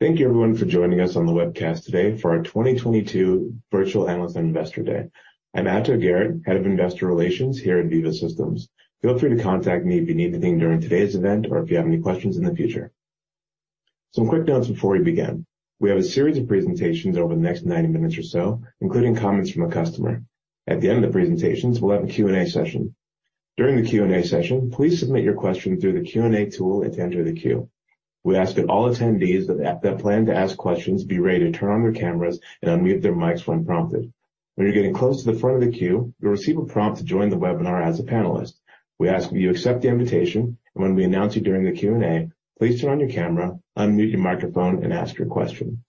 Thank you everyone for joining us on the webcast today for our 2022 Virtual Analyst and Investor Day. I'm Ato Garrett, Head of Investor Relations here at Veeva Systems. Feel free to contact me if you need anything during today's event or if you have any questions in the future. Some quick notes before we begin. We have a series of presentations over the next 90 minutes or so, including comments from a customer. At the end of the presentations, we'll have a Q&A session. During the Q&A session, please submit your questions through the Q&A tool and to enter the queue. We ask that all attendees that plan to ask questions be ready to turn on their cameras and unmute their mics when prompted. When you're getting close to the front of the queue, you'll receive a prompt to join the webinar as a panelist. We ask that you accept the invitation, and when we announce you during the Q&A, please turn on your camera, unmute your microphone, and ask your question.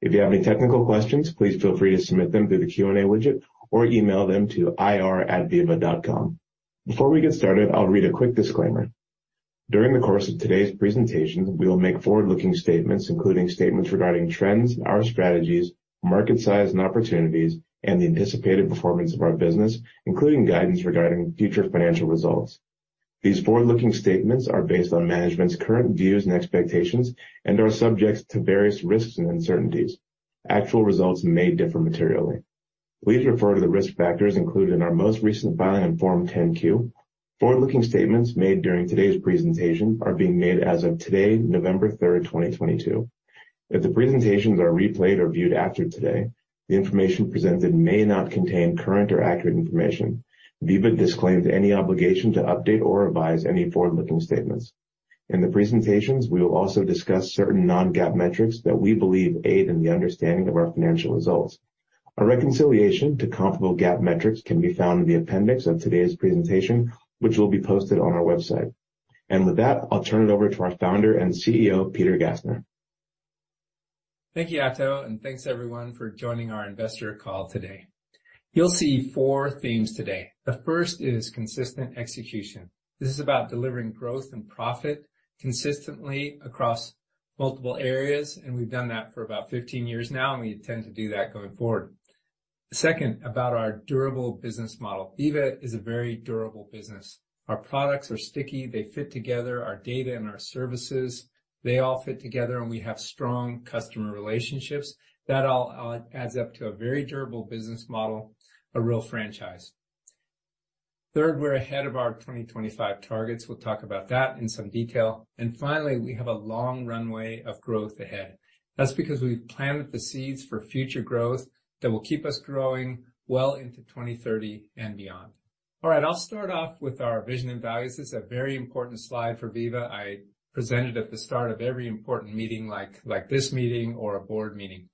If you have any technical questions, please feel free to submit them through the Q&A widget or email them to ir@veeva.com. Before we get started, I'll read a quick disclaimer. During the course of today's presentation, we will make forward-looking statements, including statements regarding trends, our strategies, market size and opportunities, and the anticipated performance of our business, including guidance regarding future financial results. These forward-looking statements are based on management's current views and expectations and are subject to various risks and uncertainties. Actual results may differ materially. Please refer to the risk factors included in our most recent filing on Form 10-Q. Forward-looking statements made during today's presentation are being made as of today, November 3rd, 2022. If the presentations are replayed or viewed after today, the information presented may not contain current or accurate information. Veeva disclaims any obligation to update or revise any forward-looking statements. In the presentations, we will also discuss certain non-GAAP metrics that we believe aid in the understanding of our financial results. A reconciliation to comparable GAAP metrics can be found in the appendix of today's presentation, which will be posted on our website. With that, I'll turn it over to our Founder and CEO, Peter Gassner. Thank you, Ato, and thanks everyone for joining our investor call today. You'll see four themes today. The first is consistent execution. This is about delivering growth and profit consistently across multiple areas, and we've done that for about 15 years now, and we intend to do that going forward. Second, about our durable business model. Veeva is a very durable business. Our products are sticky, they fit together, our data and our services, they all fit together, and we have strong customer relationships. That all adds up to a very durable business model, a real franchise. Third, we're ahead of our 2025 targets. We'll talk about that in some detail. Finally, we have a long runway of growth ahead. That's because we've planted the seeds for future growth that will keep us growing well into 2030 and beyond. All right, I'll start off with our vision and values. This is a very important slide for Veeva. I present it at the start of every important meeting like this meeting or a board meeting.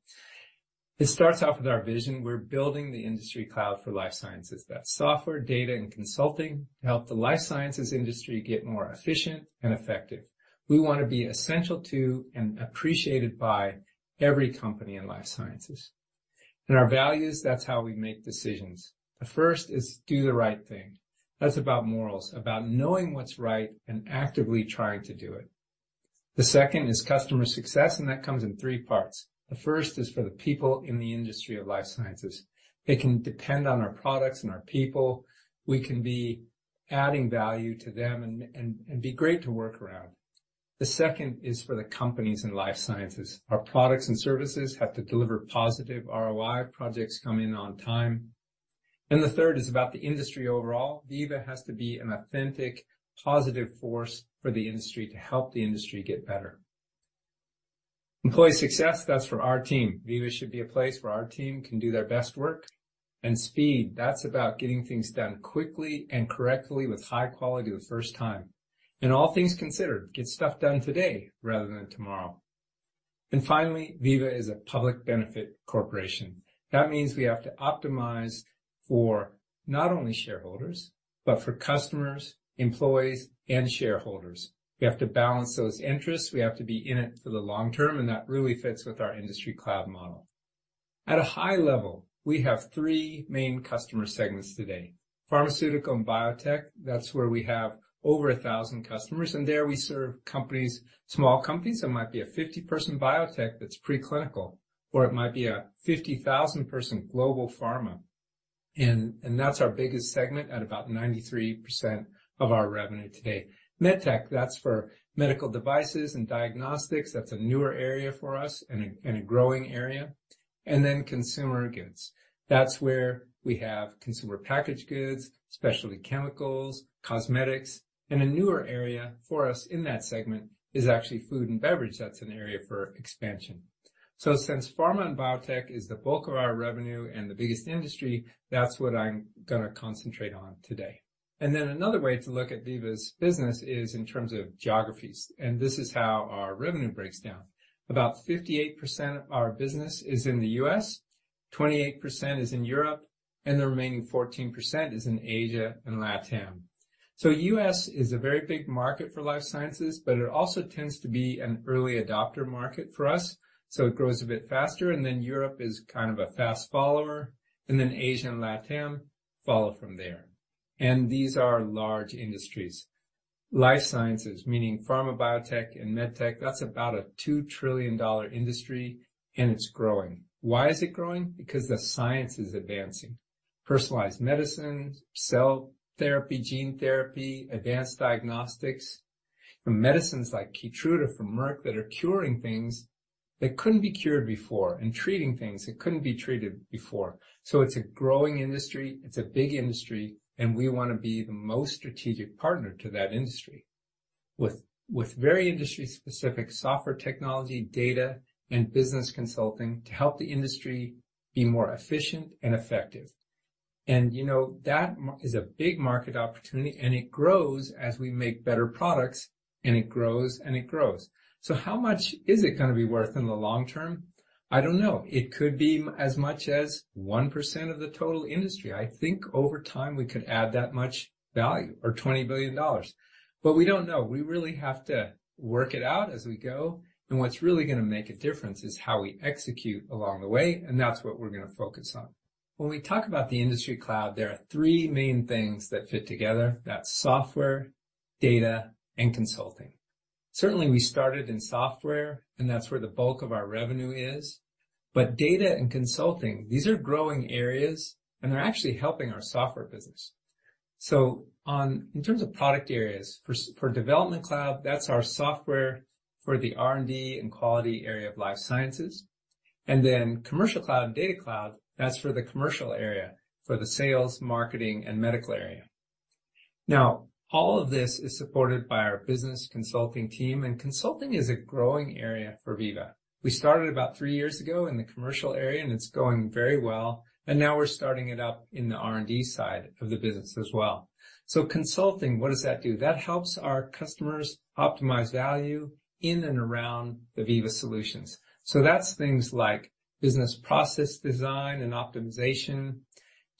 It starts off with our vision. We're building the industry cloud for life sciences. That's software, data, and consulting to help the life sciences industry get more efficient and effective. We wanna be essential to and appreciated by every company in life sciences. Our values, that's how we make decisions. The first is do the right thing. That's about morals, about knowing what's right and actively trying to do it. The second is customer success, and that comes in three parts. The first is for the people in the industry of life sciences. They can depend on our products and our people. We can be adding value to them and be great to work around. The second is for the companies in life sciences. Our products and services have to deliver positive ROI, projects come in on time. The third is about the industry overall. Veeva has to be an authentic, positive force for the industry to help the industry get better. Employee success, that's for our team. Veeva should be a place where our team can do their best work. Speed, that's about getting things done quickly and correctly with high quality the first time. All things considered, get stuff done today rather than tomorrow. Finally, Veeva is a public benefit corporation. That means we have to optimize for not only shareholders, but for customers, employees, and shareholders. We have to balance those interests. We have to be in it for the long term, and that really fits with our industry cloud model. At a high level, we have three main customer segments today. Pharmaceutical and biotech, that's where we have over 1,000 customers. There we serve companies, small companies. It might be a 50-person biotech that's preclinical, or it might be a 50,000-person global pharma. That's our biggest segment at about 93% of our revenue today. MedTech, that's for medical devices and diagnostics. That's a newer area for us and a growing area. Consumer goods. That's where we have consumer packaged goods, specialty chemicals, cosmetics, and a newer area for us in that segment is actually food and beverage. That's an area for expansion. Since pharma and biotech is the bulk of our revenue and the biggest industry, that's what I'm gonna concentrate on today. Another way to look at Veeva's business is in terms of geographies, and this is how our revenue breaks down. About 58% of our business is in the U.S., 28% is in Europe, and the remaining 14% is in Asia and LATAM. U.S. is a very big market for life sciences, but it also tends to be an early adopter market for us, so it grows a bit faster. Europe is kind of a fast follower. Asia and LATAM follow from there. These are large industries. Life sciences, meaning pharma, biotech, and medtech, that's about a $2 trillion industry, and it's growing. Why is it growing? Because the science is advancing. Personalized medicine, cell therapy, gene therapy, advanced diagnostics, and medicines like Keytruda from Merck that are curing things that couldn't be cured before and treating things that couldn't be treated before. It's a growing industry, it's a big industry, and we wanna be the most strategic partner to that industry with very industry-specific software technology, data, and business consulting to help the industry be more efficient and effective. You know, that is a big market opportunity, and it grows as we make better products, and it grows, and it grows. How much is it gonna be worth in the long term? I don't know. It could be as much as 1% of the total industry. I think over time, we could add that much value or $20 billion, but we don't know. We really have to work it out as we go. What's really gonna make a difference is how we execute along the way, and that's what we're gonna focus on. When we talk about the industry cloud, there are three main things that fit together. That's software, data, and consulting. Certainly, we started in software, and that's where the bulk of our revenue is. Data and consulting, these are growing areas, and they're actually helping our software business. In terms of product areas, for Development Cloud, that's our software for the R&D and quality area of life sciences. Then Commercial Cloud and Data Cloud, that's for the commercial area, for the sales, marketing, and medical area. Now, all of this is supported by our business consulting team, and consulting is a growing area for Veeva. We started about three years ago in the commercial area, and it's going very well, and now we're starting it up in the R&D side of the business as well. Consulting, what does that do? That helps our customers optimize value in and around the Veeva solutions. That's things like business process design and optimization,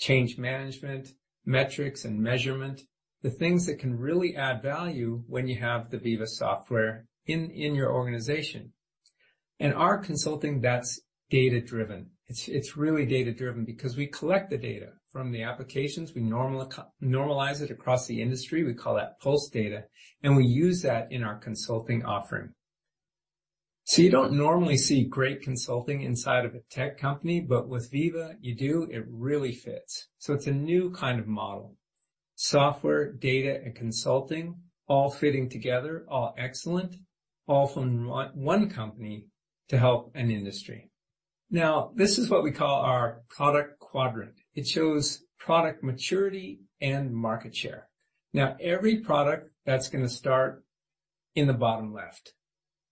change management, metrics and measurement, the things that can really add value when you have the Veeva software in your organization. Our consulting, that's data-driven. It's really data-driven because we collect the data from the applications, we normalize it across the industry, we call that pulse data, and we use that in our consulting offering. You don't normally see great consulting inside of a tech company, but with Veeva, you do. It really fits. It's a new kind of model. Software, data, and consulting all fitting together, all excellent, all from one company to help an industry. Now, this is what we call our product quadrant. It shows product maturity and market share. Now, every product that's gonna start in the bottom left,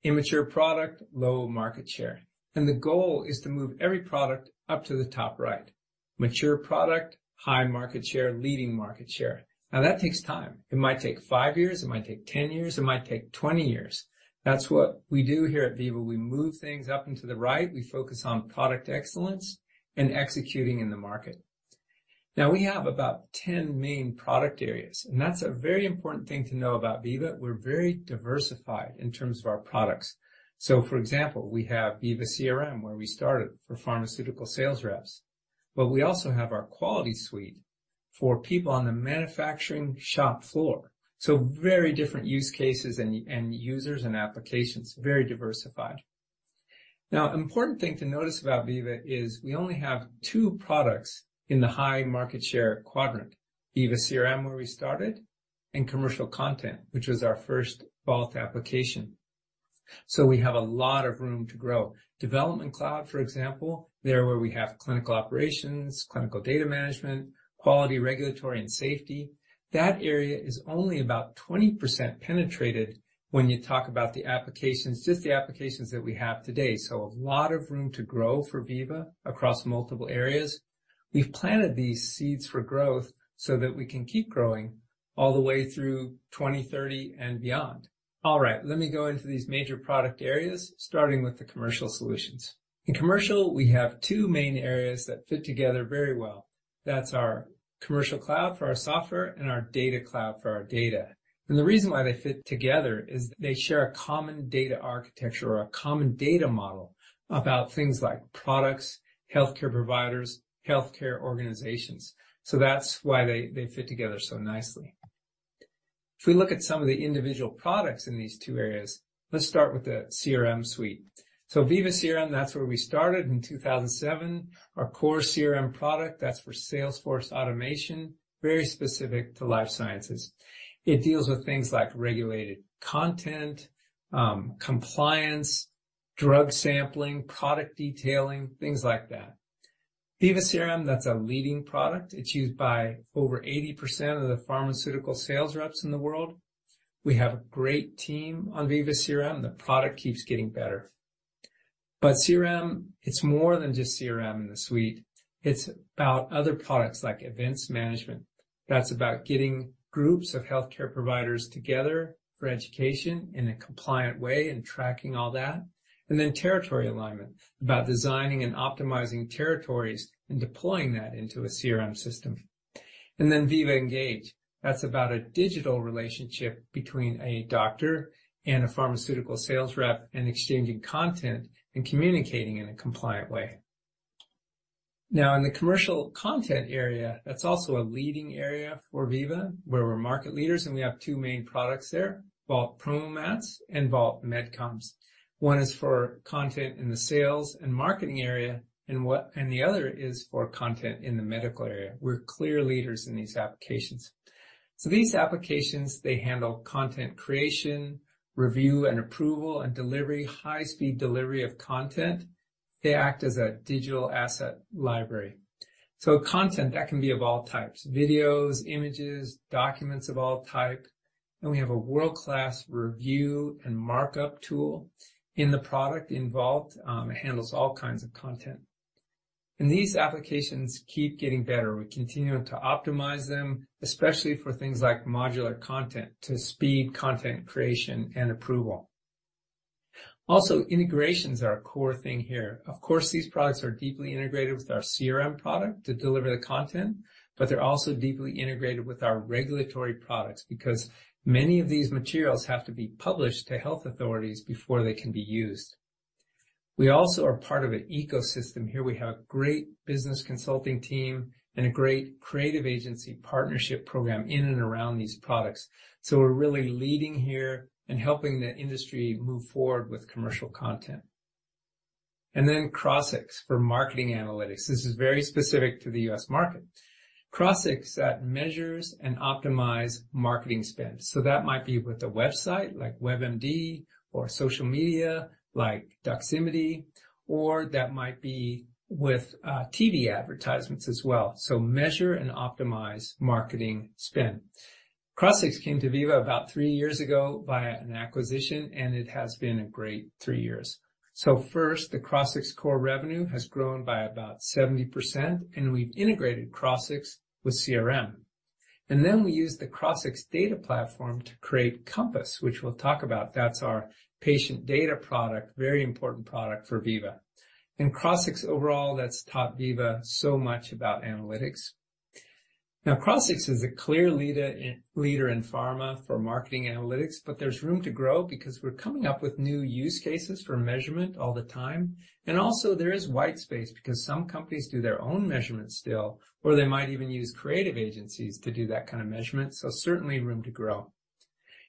immature product, low market share. The goal is to move every product up to the top right, mature product, high market share, leading market share. Now that takes time. It might take five years, it might take 10 years, it might take 20 years. That's what we do here at Veeva. We move things up into the right. We focus on product excellence and executing in the market. Now we have about 10 main product areas, and that's a very important thing to know about Veeva. We're very diversified in terms of our products. For example, we have Veeva CRM, where we started for pharmaceutical sales reps, but we also have our quality suite for people on the manufacturing shop floor. Very different use cases and users and applications, very diversified. Now, important thing to notice about Veeva is we only have two products in the high market share quadrant, Veeva CRM, where we started, and Commercial Content, which was our first Vault application. We have a lot of room to grow. Development Cloud, for example, there, where we have clinical operations, clinical data management, quality, regulatory, and safety, that area is only about 20% penetrated when you talk about the applications, just the applications that we have today. A lot of room to grow for Veeva across multiple areas. We've planted these seeds for growth so that we can keep growing all the way through 2030 and beyond. All right, let me go into these major product areas, starting with the Commercial Solutions. In commercial, we have two main areas that fit together very well. That's our Commercial Cloud for our software and our Data Cloud for our data. The reason why they fit together is they share a common data architecture or a common data model about things like products, healthcare providers, healthcare organizations. That's why they fit together so nicely. If we look at some of the individual products in these two areas, let's start with the CRM suite. Veeva CRM, that's where we started in 2007. Our core CRM product, that's for sales force automation, very specific to life sciences. It deals with things like regulated content, compliance, drug sampling, product detailing, things like that. Veeva CRM, that's a leading product. It's used by over 80% of the pharmaceutical sales reps in the world. We have a great team on Veeva CRM. The product keeps getting better. CRM, it's more than just CRM in the suite. It's about other products like events management. That's about getting groups of healthcare providers together for education in a compliant way and tracking all that. Then territory alignment, about designing and optimizing territories and deploying that into a CRM system. Then Veeva Engage, that's about a digital relationship between a doctor and a pharmaceutical sales rep and exchanging content and communicating in a compliant way. Now in the commercial content area, that's also a leading area for Veeva, where we're market leaders, and we have two main products there, Vault PromoMats and Vault MedComms. One is for content in the sales and marketing area and the other is for content in the medical area. We're clear leaders in these applications. These applications, they handle content creation, review and approval, and delivery, high-speed delivery of content. They act as a digital asset library. Content that can be of all types, videos, images, documents of all type. We have a world-class review and markup tool in the product in Vault, it handles all kinds of content. These applications keep getting better. We continue to optimize them, especially for things like modular content to speed content creation and approval. Also, integrations are a core thing here. Of course, these products are deeply integrated with our CRM product to deliver the content, but they're also deeply integrated with our regulatory products because many of these materials have to be published to health authorities before they can be used. We also are part of an ecosystem here. We have great business consulting team and a great creative agency partnership program in and around these products. We're really leading here and helping the industry move forward with commercial content. Crossix for marketing analytics. This is very specific to the U.S. market. Crossix measures and optimize marketing spend. That might be with a website like WebMD or social media like Doximity, or that might be with TV advertisements as well. Measure and optimize marketing spend. Crossix came to Veeva about three years ago via an acquisition, and it has been a great three years. First, the Crossix core revenue has grown by about 70%, and we've integrated Crossix with CRM. Then we use the Crossix data platform to create Compass, which we'll talk about. That's our patient data product. Very important product for Veeva. Crossix overall, that's taught Veeva so much about analytics. Now, Crossix is a clear leader in pharma for marketing analytics, but there's room to grow because we're coming up with new use cases for measurement all the time. Also there is white space because some companies do their own measurements still, or they might even use creative agencies to do that kind of measurement. Certainly room to grow.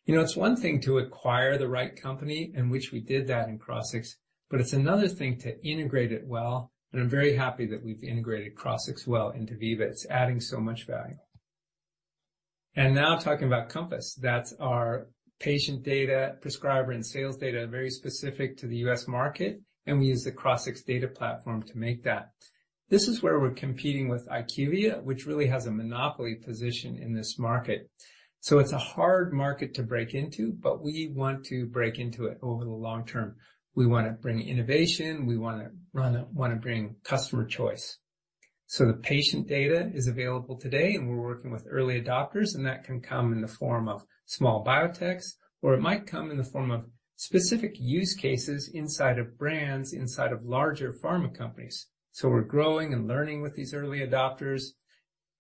You know, it's one thing to acquire the right company in which we did that in Crossix, but it's another thing to integrate it well, and I'm very happy that we've integrated Crossix well into Veeva. It's adding so much value. Now talking about Compass, that's our patient data, prescriber and sales data, very specific to the U.S. market, and we use the Crossix data platform to make that. This is where we're competing with IQVIA, which really has a monopoly position in this market. It's a hard market to break into, but we want to break into it over the long term. We wanna bring innovation, we wanna bring customer choice. The patient data is available today, and we're working with early adopters, and that can come in the form of small biotechs, or it might come in the form of specific use cases inside of brands, inside of larger pharma companies. We're growing and learning with these early adopters,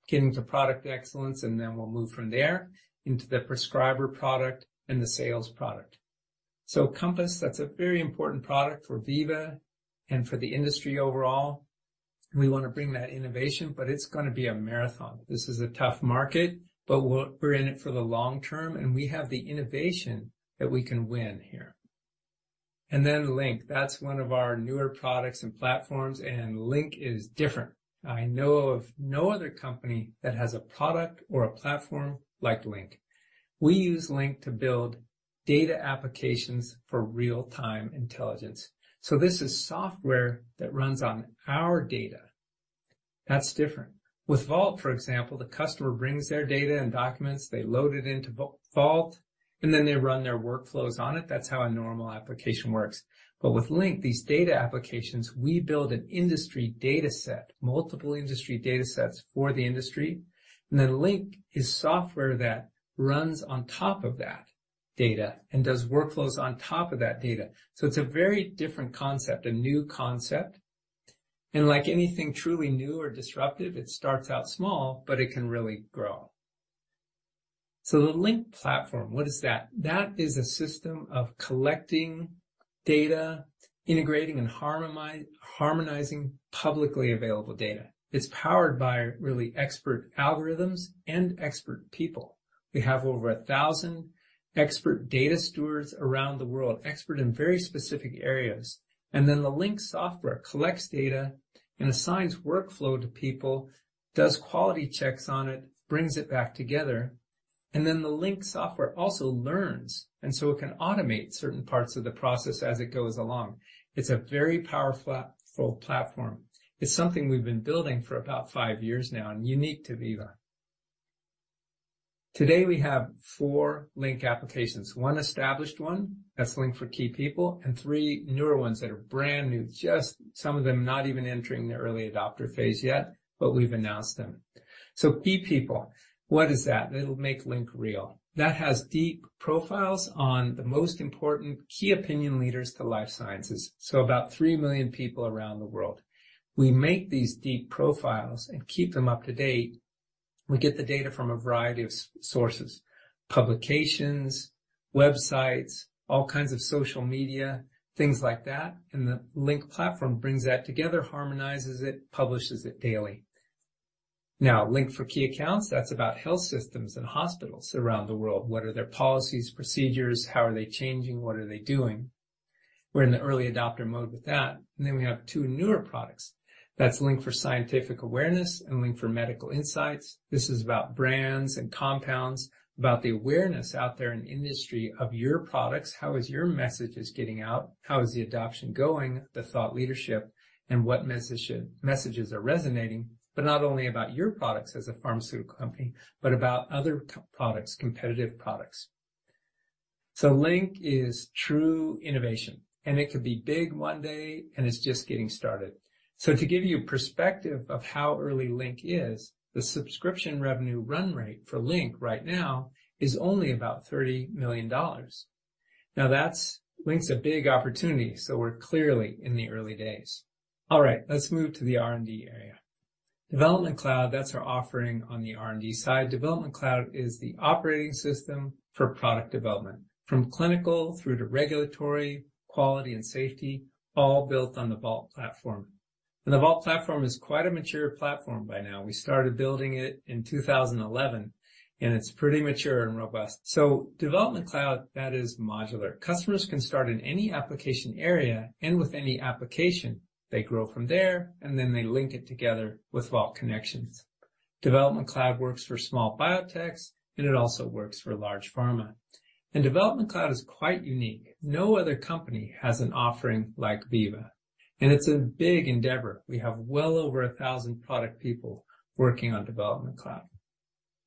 getting to product excellence, and then we'll move from there into the prescriber product and the sales product. Compass, that's a very important product for Veeva and for the industry overall. We wanna bring that innovation, but it's gonna be a marathon. This is a tough market, but we're in it for the long term, and we have the innovation that we can win here. Link, that's one of our newer products and platforms, and Link is different. I know of no other company that has a product or a platform like Link. We use Link to build data applications for real-time intelligence. This is software that runs on our data. That's different. With Vault, for example, the customer brings their data and documents, they load it into Vault, and then they run their workflows on it. That's how a normal application works. With Link, these data applications, we build an industry data set, multiple industry data sets for the industry. Link is software that runs on top of that data and does workflows on top of that data. It's a very different concept, a new concept. Like anything truly new or disruptive, it starts out small, but it can really grow. The Link platform, what is that? That is a system of collecting data, integrating and harmonizing publicly available data. It's powered by really expert algorithms and expert people. We have over 1,000 expert data stewards around the world, expert in very specific areas. Then the Link software collects data and assigns workflow to people, does quality checks on it, brings it back together, and then the Link software also learns, and so it can automate certain parts of the process as it goes along. It's a very powerful platform. It's something we've been building for about five years now and unique to Veeva. Today, we have four Link applications. One established one, that's Link for key people, and three newer ones that are brand new, just some of them not even entering the early adopter phase yet, but we've announced them. Key people, what is that? It'll make Link real. That has deep profiles on the most important key opinion leaders in life sciences. About 3 million people around the world. We make these deep profiles and keep them up to date. We get the data from a variety of sources, publications, websites, all kinds of social media, things like that, and the Link platform brings that together, harmonizes it, publishes it daily. Now, Link for Key Accounts, that's about health systems and hospitals around the world. What are their policies, procedures? How are they changing? What are they doing? We're in the early adopter mode with that. Then we have two newer products. That's Link for Scientific Awareness and Link for Medical Insights. This is about brands and compounds, about the awareness out there in the industry of your products. How is your messages getting out? How is the adoption going, the thought leadership, and what messages are resonating, but not only about your products as a pharmaceutical company, but about other competitive products. Link is true innovation, and it could be big one day, and it's just getting started. To give you perspective of how early Link is, the subscription revenue run rate for Link right now is only about $30 million. Now that's, Link's a big opportunity, so we're clearly in the early days. All right, let's move to the R&D area. Development Cloud, that's our offering on the R&D side. Development Cloud is the operating system for product development, from clinical through to regulatory, quality and safety, all built on the Vault platform. The Vault platform is quite a mature platform by now. We started building it in 2011, and it's pretty mature and robust. Development Cloud, that is modular. Customers can start in any application area and with any application. They grow from there, and then they link it together with Vault Connections. Development Cloud works for small biotechs, and it also works for large pharma. Development Cloud is quite unique. No other company has an offering like Veeva, and it's a big endeavor. We have well over 1,000 product people working on Development Cloud.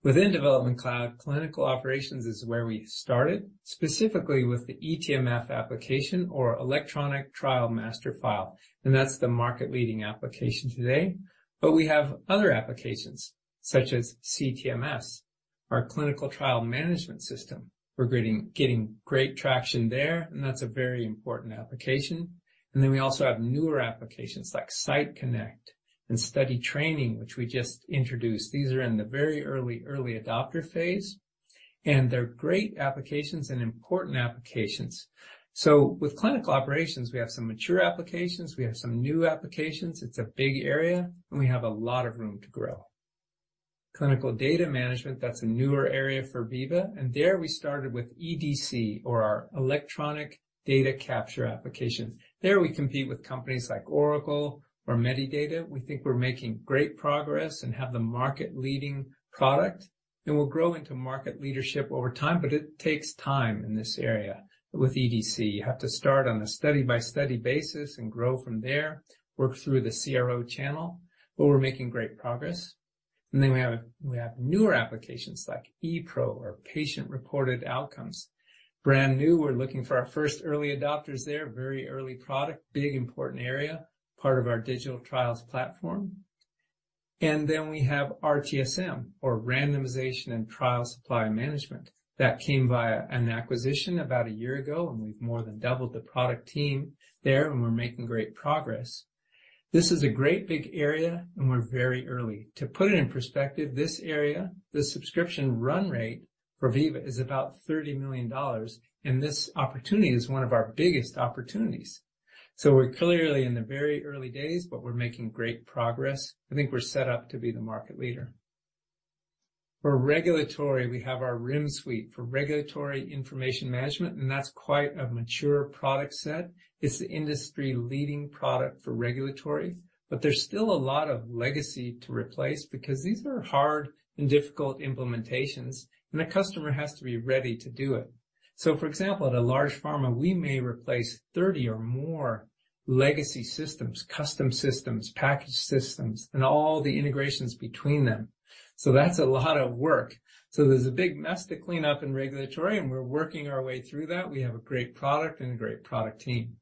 Within Development Cloud, clinical operations is where we started, specifically with the eTMF application or electronic trial master file, and that's the market-leading application today. We have other applications, such as CTMS, our clinical trial management system. We're getting great traction there, and that's a very important application. We also have newer applications like Site Connect and Study Training, which we just introduced. These are in the very early adopter phase, and they're great applications and important applications. With clinical operations, we have some mature applications. We have some new applications. It's a big area, and we have a lot of room to grow. Clinical data management, that's a newer area for Veeva. There we started with EDC or our electronic data capture applications. There we compete with companies like Oracle or Medidata. We think we're making great progress and have the market-leading product, and we'll grow into market leadership over time, but it takes time in this area with EDC. You have to start on a study-by-study basis and grow from there, work through the CRO channel, but we're making great progress. We have newer applications like ePRO or patient-reported outcomes. Brand new. We're looking for our first early adopters there. Very early product. Big important area. Part of our digital trials platform. We have RTSM or randomization and trial supply management. That came via an acquisition about a year ago, and we've more than doubled the product team there, and we're making great progress. This is a great big area, and we're very early. To put it in perspective, this area, the subscription run rate for Veeva is about $30 million, and this opportunity is one of our biggest opportunities. We're clearly in the very early days, but we're making great progress. I think we're set up to be the market leader. For regulatory, we have our RIM suite for regulatory information management, and that's quite a mature product set. It's the industry-leading product for regulatory, but there's still a lot of legacy to replace because these are hard and difficult implementations, and the customer has to be ready to do it. For example, at a large pharma, we may replace 30 or more legacy systems, custom systems, package systems, and all the integrations between them. That's a lot of work. There's a big mess to clean up in regulatory, and we're working our way through that. We have a great product and a great product team.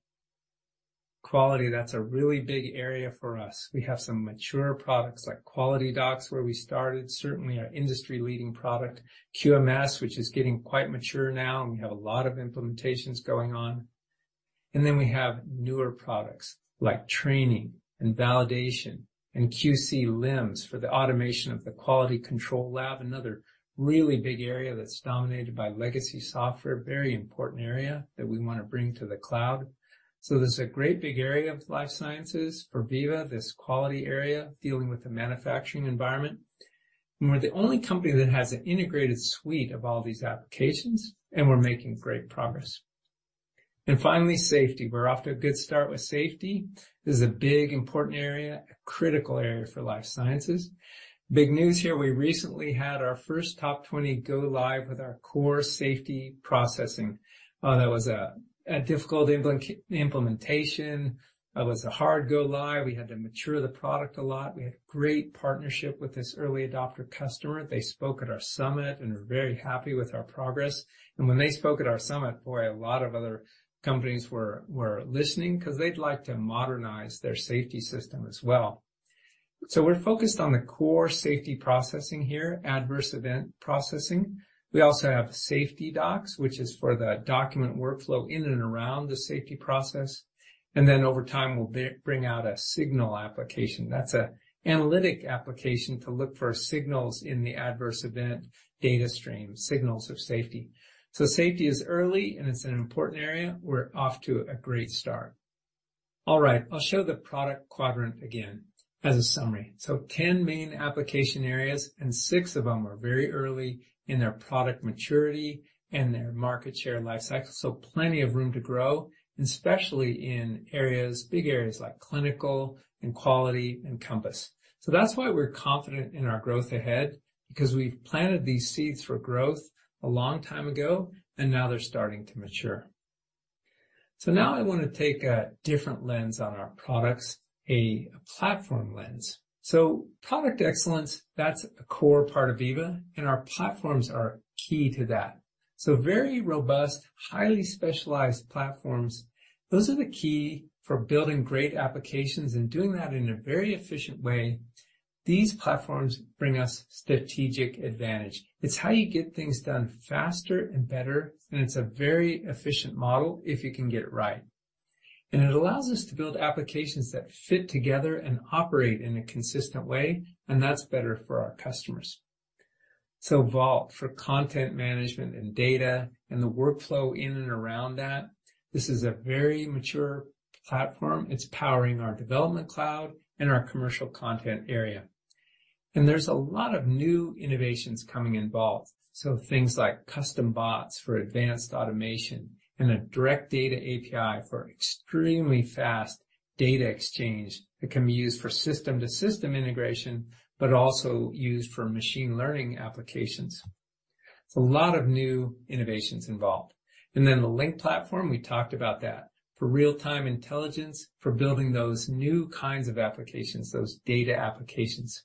Quality, that's a really big area for us. We have some mature products like QualityDocs, where we started, certainly our industry-leading product. QMS, which is getting quite mature now, and we have a lot of implementations going on. Then we have newer products like Training and Validation and QC LIMS for the automation of the quality control lab. Another really big area that's dominated by legacy software. Very important area that we wanna bring to the cloud. There's a great big area of life sciences for Veeva, this quality area dealing with the manufacturing environment. We're the only company that has an integrated suite of all these applications, and we're making great progress. Finally, safety. We're off to a good start with safety. This is a big, important area, a critical area for life sciences. Big news here. We recently had our first top 20 go live with our core safety processing. That was a difficult implementation. That was a hard go live. We had to mature the product a lot. We had great partnership with this early adopter customer. They spoke at our summit and are very happy with our progress. When they spoke at our summit, boy, a lot of other companies were listening 'cause they'd like to modernize their safety system as well. We're focused on the core safety processing here, adverse event processing. We also have safety docs, which is for the document workflow in and around the safety process. Then over time, we'll bring out a signal application. That's an analytic application to look for signals in the adverse event data stream, signals of safety. Safety is early, and it's an important area. We're off to a great start. All right, I'll show the product quadrant again as a summary. 10 main application areas, and six of them are very early in their product maturity and their market share lifecycle. Plenty of room to grow, and especially in areas, big areas like clinical and quality and Compass. That's why we're confident in our growth ahead because we've planted these seeds for growth a long time ago, and now they're starting to mature. Now I wanna take a different lens on our products, a platform lens. Product excellence, that's a core part of Veeva, and our platforms are key to that. Very robust, highly specialized platforms, those are the key for building great applications and doing that in a very efficient way. These platforms bring us strategic advantage. It's how you get things done faster and better, and it's a very efficient model if you can get it right. It allows us to build applications that fit together and operate in a consistent way, and that's better for our customers. Vault for content management and data and the workflow in and around that. This is a very mature platform. It's powering our Development Cloud and our commercial content area. There's a lot of new innovations coming in Vault. Things like custom bots for advanced automation and a direct data API for extremely fast data exchange that can be used for system-to-system integration, but also used for machine learning applications. It's a lot of new innovations involved. Then the Link platform, we talked about that, for real-time intelligence, for building those new kinds of applications, those data applications.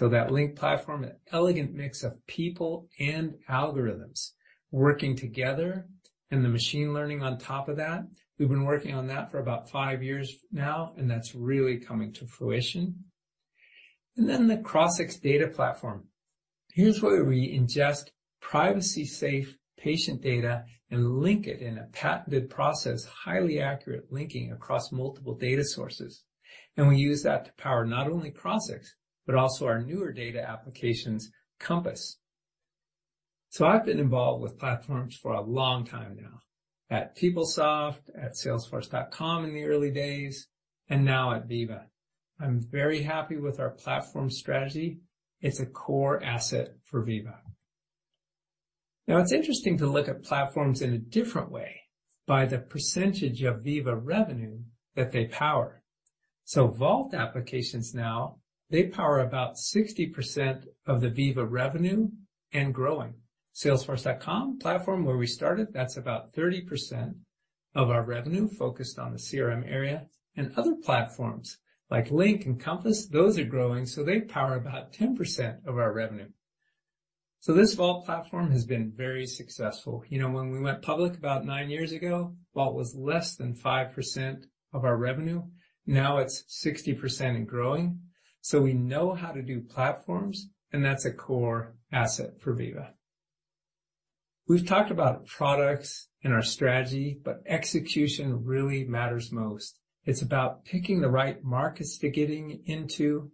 That Link platform, an elegant mix of people and algorithms working together and the machine learning on top of that. We've been working on that for about five years now, and that's really coming to fruition. Then the Crossix data platform. Here's where we ingest privacy-safe patient data and link it in a patented process, highly accurate linking across multiple data sources. We use that to power not only Crossix, but also our newer data applications, Compass. I've been involved with platforms for a long time now, at PeopleSoft, at Salesforce.com in the early days, and now at Veeva. I'm very happy with our platform strategy. It's a core asset for Veeva. Now, it's interesting to look at platforms in a different way by the percentage of Veeva revenue that they power. Vault applications now, they power about 60% of the Veeva revenue and growing. Salesforce.com platform, where we started, that's about 30% of our revenue focused on the CRM area. Other platforms like Link and Compass, those are growing, so they power about 10% of our revenue. This Vault platform has been very successful. You know, when we went public about nine years ago, Vault was less than 5% of our revenue. Now it's 60% and growing. We know how to do platforms, and that's a core asset for Veeva. We've talked about products and our strategy, but execution really matters most. It's about picking the right markets to get into,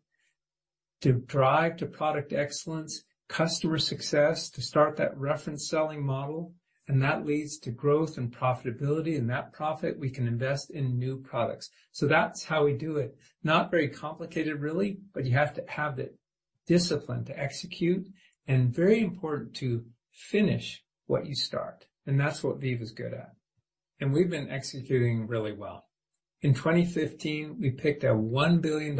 to drive product excellence, customer success, to start that reference selling model, and that leads to growth and profitability. That profit we can invest in new products. That's how we do it. Not very complicated, really, but you have to have the discipline to execute and very important to finish what you start. That's what Veeva is good at. We've been executing really well. In 2015, we picked a $1 billion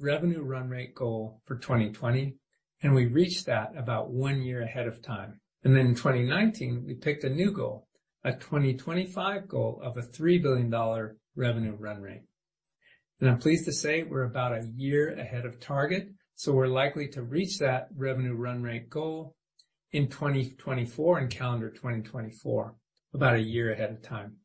revenue run rate goal for 2020, and we reached that about one year ahead of time. Then in 2019, we picked a new goal, a 2025 goal of a $3 billion revenue run rate. I'm pleased to say we're about a year ahead of target, so we're likely to reach that revenue run rate goal in 2024, in calendar 2024, about a year ahead of time.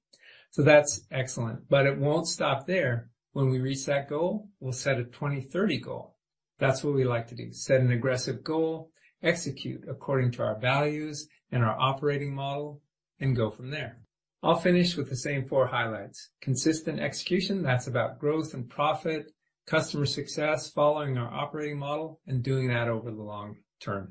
That's excellent, but it won't stop there. When we reach that goal, we'll set a 2030 goal. That's what we like to do, set an aggressive goal, execute according to our values and our operating model, and go from there. I'll finish with the same four highlights. Consistent execution, that's about growth and profit, customer success, following our operating model, and doing that over the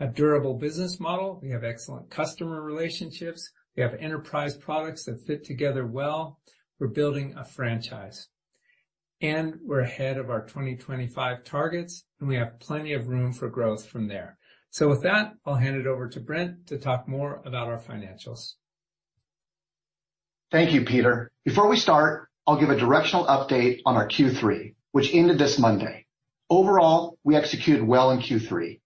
long term. A durable business model. We have excellent customer relationships. We have enterprise products that fit together well. We're building a franchise, and we're ahead of our 2025 targets, and we have plenty of room for growth from there. With that, I'll hand it over to Brent to talk more about our financials. Thank you, Peter. Before we start, I'll give a directional update on our Q3, which ended this Monday. Overall, we executed well in Q3.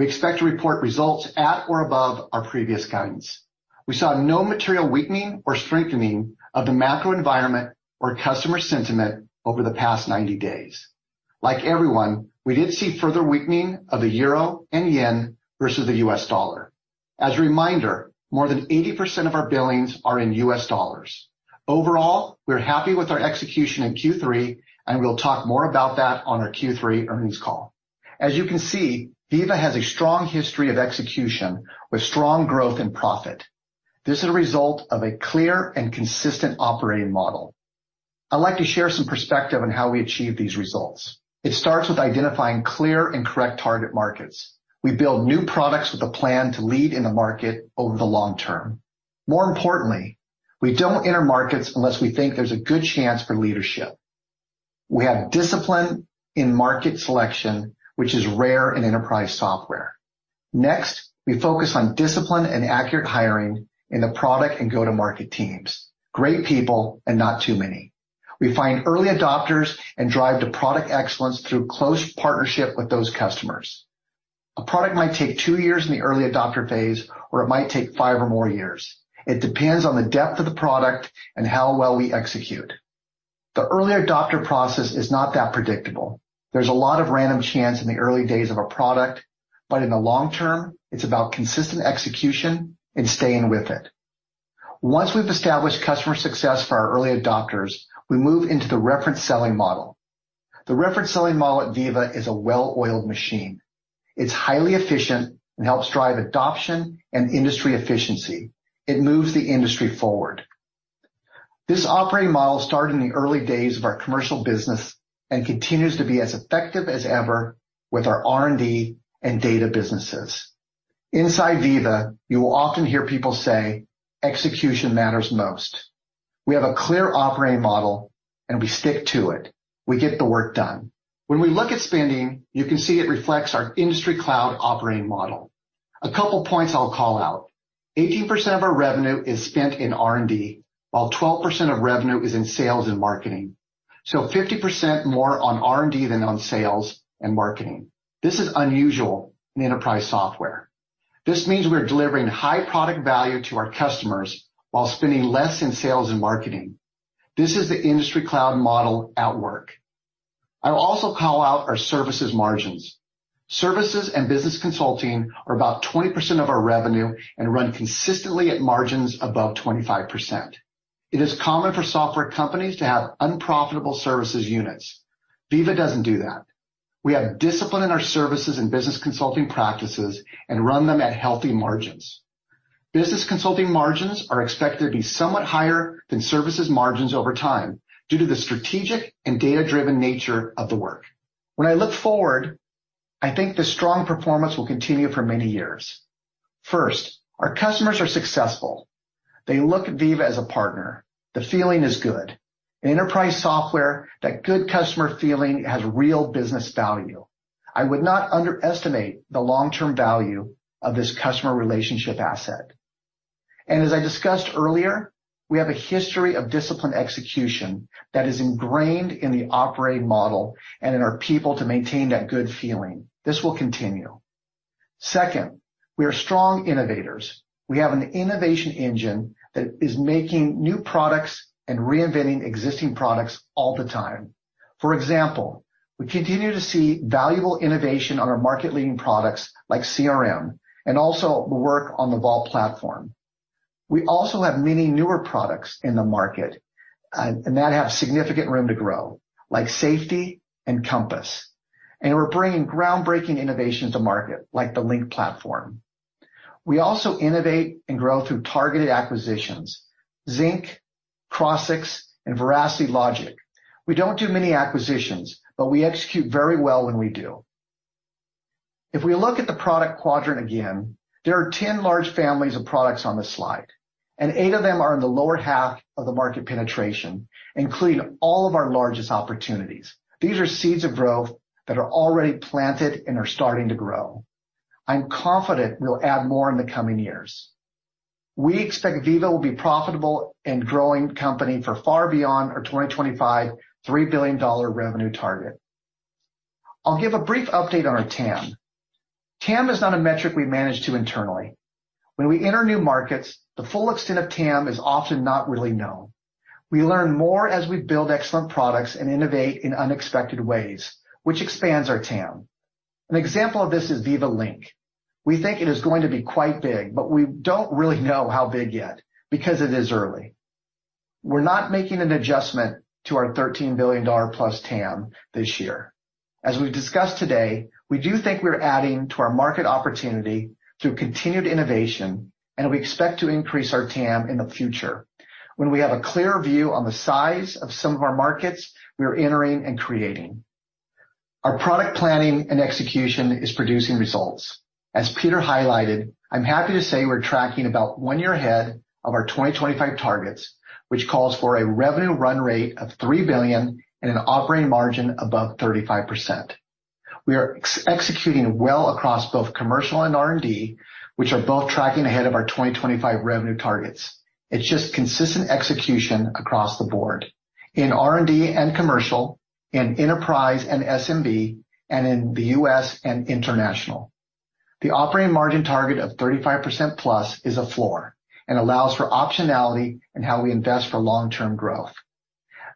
We expect to report results at or above our previous guidance. We saw no material weakening or strengthening of the macro environment or customer sentiment over the past 90 days. Like everyone, we did see further weakening of the euro and yen versus the U.S dollar. As a reminder, more than 80% of our billings are in U.S. dollars. Overall, we're happy with our execution in Q3, and we'll talk more about that on our Q3 earnings call. As you can see, Veeva has a strong history of execution with strong growth and profit. This is a result of a clear and consistent operating model. I'd like to share some perspective on how we achieve these results. It starts with identifying clear and correct target markets. We build new products with a plan to lead in the market over the long term. More importantly, we don't enter markets unless we think there's a good chance for leadership. We have discipline in market selection, which is rare in enterprise software. Next, we focus on discipline and accurate hiring in the product and go-to-market teams. Great people and not too many. We find early adopters and drive to product excellence through close partnership with those customers. A product might take two years in the early adopter phase, or it might take five or more years. It depends on the depth of the product and how well we execute. The early adopter process is not that predictable. There's a lot of random chance in the early days of a product, but in the long term, it's about consistent execution and staying with it. Once we've established customer success for our early adopters, we move into the reference selling model. The reference selling model at Veeva is a well-oiled machine. It's highly efficient and helps drive adoption and industry efficiency. It moves the industry forward. This operating model started in the early days of our commercial business and continues to be as effective as ever with our R&D and data businesses. Inside Veeva, you will often hear people say, "Execution matters most." We have a clear operating model, and we stick to it. We get the work done. When we look at spending, you can see it reflects our industry cloud operating model. A couple points I'll call out. 18% of our revenue is spent in R&D, while 12% of revenue is in sales and marketing. 50% more on R&D than on sales and marketing. This is unusual in enterprise software. This means we're delivering high product value to our customers while spending less in sales and marketing. This is the industry cloud model at work. I'll also call out our services margins. Services and business consulting are about 20% of our revenue and run consistently at margins above 25%. It is common for software companies to have unprofitable services units. Veeva doesn't do that. We have discipline in our services and business consulting practices and run them at healthy margins. Business consulting margins are expected to be somewhat higher than services margins over time due to the strategic and data-driven nature of the work. When I look forward, I think the strong performance will continue for many years. First, our customers are successful. They look at Veeva as a partner. The feeling is good. In enterprise software, that good customer feeling has real business value. I would not underestimate the long-term value of this customer relationship asset. As I discussed earlier, we have a history of disciplined execution that is ingrained in the operating model and in our people to maintain that good feeling. This will continue. Second, we are strong innovators. We have an innovation engine that is making new products and reinventing existing products all the time. For example, we continue to see valuable innovation on our market-leading products like CRM, and also the work on the Vault platform. We also have many newer products in the market, and that have significant room to grow, like Safety and Compass. And we're bringing groundbreaking innovation to market, like the Link platform. We also innovate and grow through targeted acquisitions, Zinc, Crossix, and Veracity Logic. We don't do many acquisitions, but we execute very well when we do. If we look at the product quadrant again, there are 10 large families of products on this slide, and eight of them are in the lower half of the market penetration, including all of our largest opportunities. These are seeds of growth that are already planted and are starting to grow. I'm confident we'll add more in the coming years. We expect Veeva will be profitable and growing company for far beyond our 2025 $3 billion revenue target. I'll give a brief update on our TAM. TAM is not a metric we manage to internally. When we enter new markets, the full extent of TAM is often not really known. We learn more as we build excellent products and innovate in unexpected ways, which expands our TAM. An example of this is Veeva Link. We think it is going to be quite big, but we don't really know how big yet because it is early. We're not making an adjustment to our $13 billion plus TAM this year. As we've discussed today, we do think we're adding to our market opportunity through continued innovation, and we expect to increase our TAM in the future when we have a clearer view on the size of some of our markets we are entering and creating. Our product planning and execution is producing results. As Peter highlighted, I'm happy to say we're tracking about one year ahead of our 2025 targets, which calls for a revenue run rate of $3 billion and an operating margin above 35%. We are executing well across both commercial and R&D, which are both tracking ahead of our 2025 revenue targets. It's just consistent execution across the board. In R&D and commercial, in enterprise and SMB, and in the U.S. and international. The operating margin target of 35%+ is a floor and allows for optionality in how we invest for long-term growth.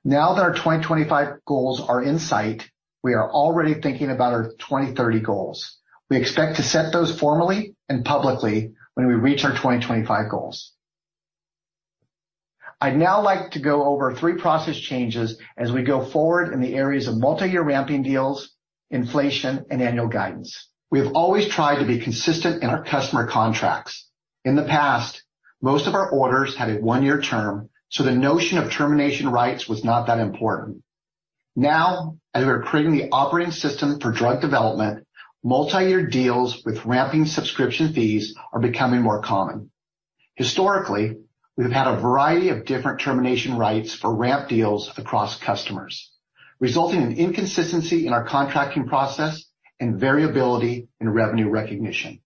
Now that our 2025 goals are in sight, we are already thinking about our 2030 goals. We expect to set those formally and publicly when we reach our 2025 goals. I'd now like to go over three process changes as we go forward in the areas of multi-year ramping deals, inflation, and annual guidance. We have always tried to be consistent in our customer contracts. In the past, most of our orders had a one-year term, so the notion of termination rights was not that important. Now, as we're creating the operating system for drug development, multi-year deals with ramping subscription fees are becoming more common. Historically, we've had a variety of different termination rights for ramp deals across customers, resulting in inconsistency in our contracting process and variability in revenue recognition.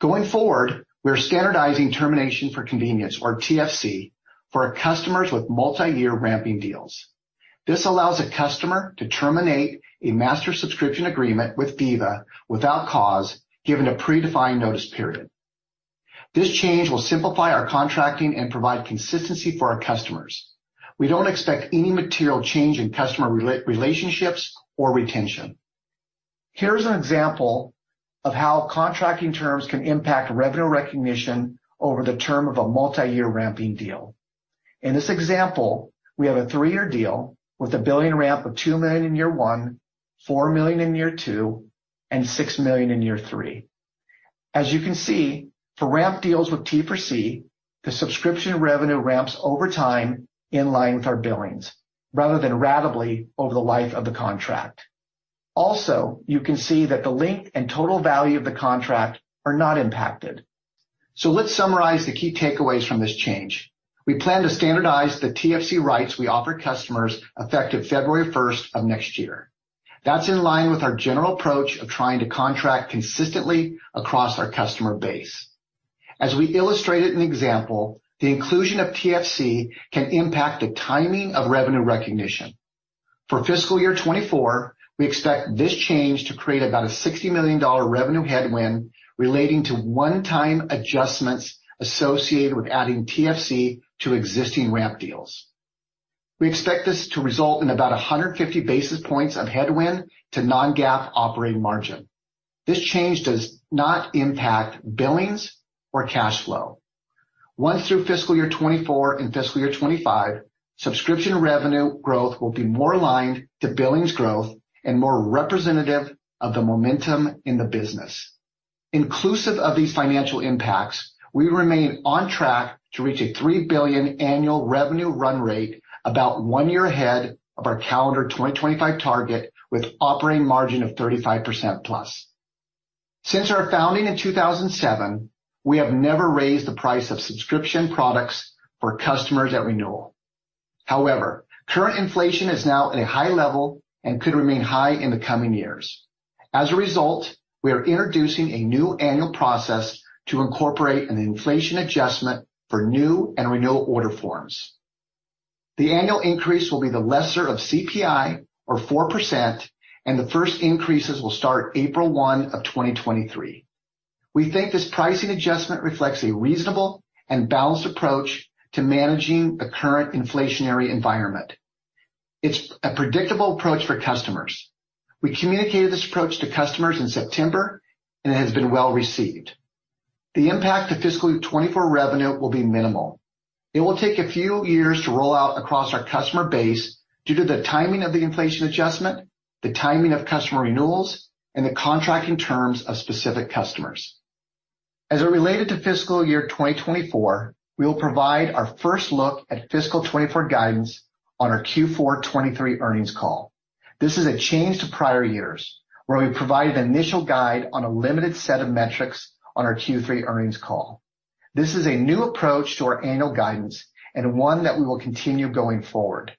Going forward, we're standardizing termination for convenience or TFC for our customers with multi-year ramping deals. This allows a customer to terminate a master subscription agreement with Veeva without cause given a predefined notice period. This change will simplify our contracting and provide consistency for our customers. We don't expect any material change in customer relationships or retention. Here's an example of how contracting terms can impact revenue recognition over the term of a multi-year ramping deal. In this example, we have a three-year deal with a billion ramp of $2 million in year one, $4 million in year two, and $6 million in year three. As you can see, for ramp deals with TFC, the subscription revenue ramps over time in line with our billings rather than ratably over the life of the contract. Also, you can see that the length and total value of the contract are not impacted. Let's summarize the key takeaways from this change. We plan to standardize the TFC rights we offer customers effective February 1st of next year. That's in line with our general approach of trying to contract consistently across our customer base. As we illustrated an example, the inclusion of TFC can impact the timing of revenue recognition. For fiscal year 2024, we expect this change to create about a $60 million revenue headwind relating to one-time adjustments associated with adding TFC to existing ramp deals. We expect this to result in about 150 basis points of headwind to non-GAAP operating margin. This change does not impact billings or cash flow. Once through fiscal year 2024 and fiscal year 2025, subscription revenue growth will be more aligned to billings growth and more representative of the momentum in the business. Inclusive of these financial impacts, we remain on track to reach a $3 billion annual revenue run rate about one year ahead of our calendar 2025 target with operating margin of 35%+. Since our founding in 2007, we have never raised the price of subscription products for customers at renewal. However, current inflation is now at a high level and could remain high in the coming years. As a result, we are introducing a new annual process to incorporate an inflation adjustment for new and renewal order forms. The annual increase will be the lesser of CPI or 4%, and the first increases will start April 1, 2023. We think this pricing adjustment reflects a reasonable and balanced approach to managing the current inflationary environment. It's a predictable approach for customers. We communicated this approach to customers in September, and it has been well-received. The impact to fiscal year 2024 revenue will be minimal. It will take a few years to roll out across our customer base due to the timing of the inflation adjustment, the timing of customer renewals, and the contracting terms of specific customers. As it related to fiscal year 2024, we will provide our first look at fiscal 2024 guidance on our Q4 2023 earnings call. This is a change to prior years where we provided initial guide on a limited set of metrics on our Q3 earnings call. This is a new approach to our annual guidance and one that we will continue going forward.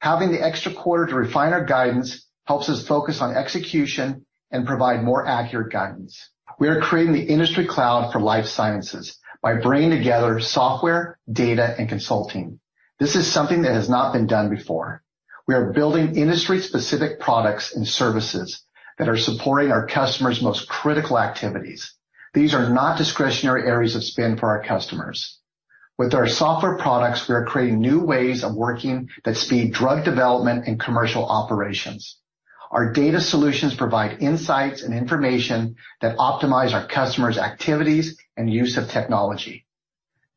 Having the extra quarter to refine our guidance helps us focus on execution and provide more accurate guidance. We are creating the industry cloud for life sciences by bringing together software, data, and consulting. This is something that has not been done before. We are building industry-specific products and services that are supporting our customers' most critical activities. These are not discretionary areas of spend for our customers. With our software products, we are creating new ways of working that speed drug development and commercial operations. Our data solutions provide insights and information that optimize our customers' activities and use of technology.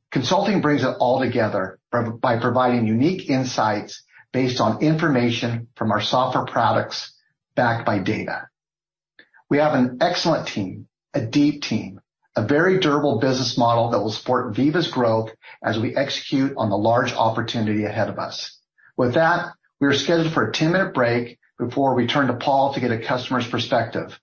Consulting brings it all together by providing unique insights based on information from our software products backed by data. We have an excellent team, a deep team, a very durable business model that will support Veeva's growth as we execute on the large opportunity ahead of us. With that, we are scheduled for a 10-minute break before we turn to Paul to get a customer's perspective.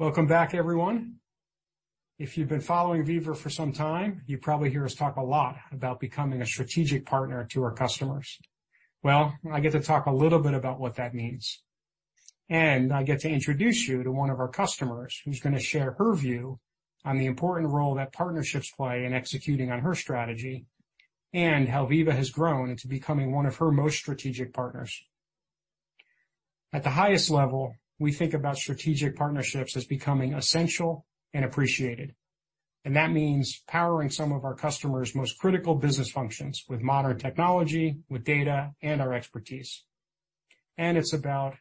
Welcome back, everyone. If you've been following Veeva for some time, you probably hear us talk a lot about becoming a strategic partner to our customers. Well, I get to talk a little bit about what that means, and I get to introduce you to one of our customers who's gonna share her view on the important role that partnerships play in executing on her strategy and how Veeva has grown into becoming one of her most strategic partners. At the highest level, we think about strategic partnerships as becoming essential and appreciated. That means powering some of our customers' most critical business functions with modern technology, with data, and our expertise. It's about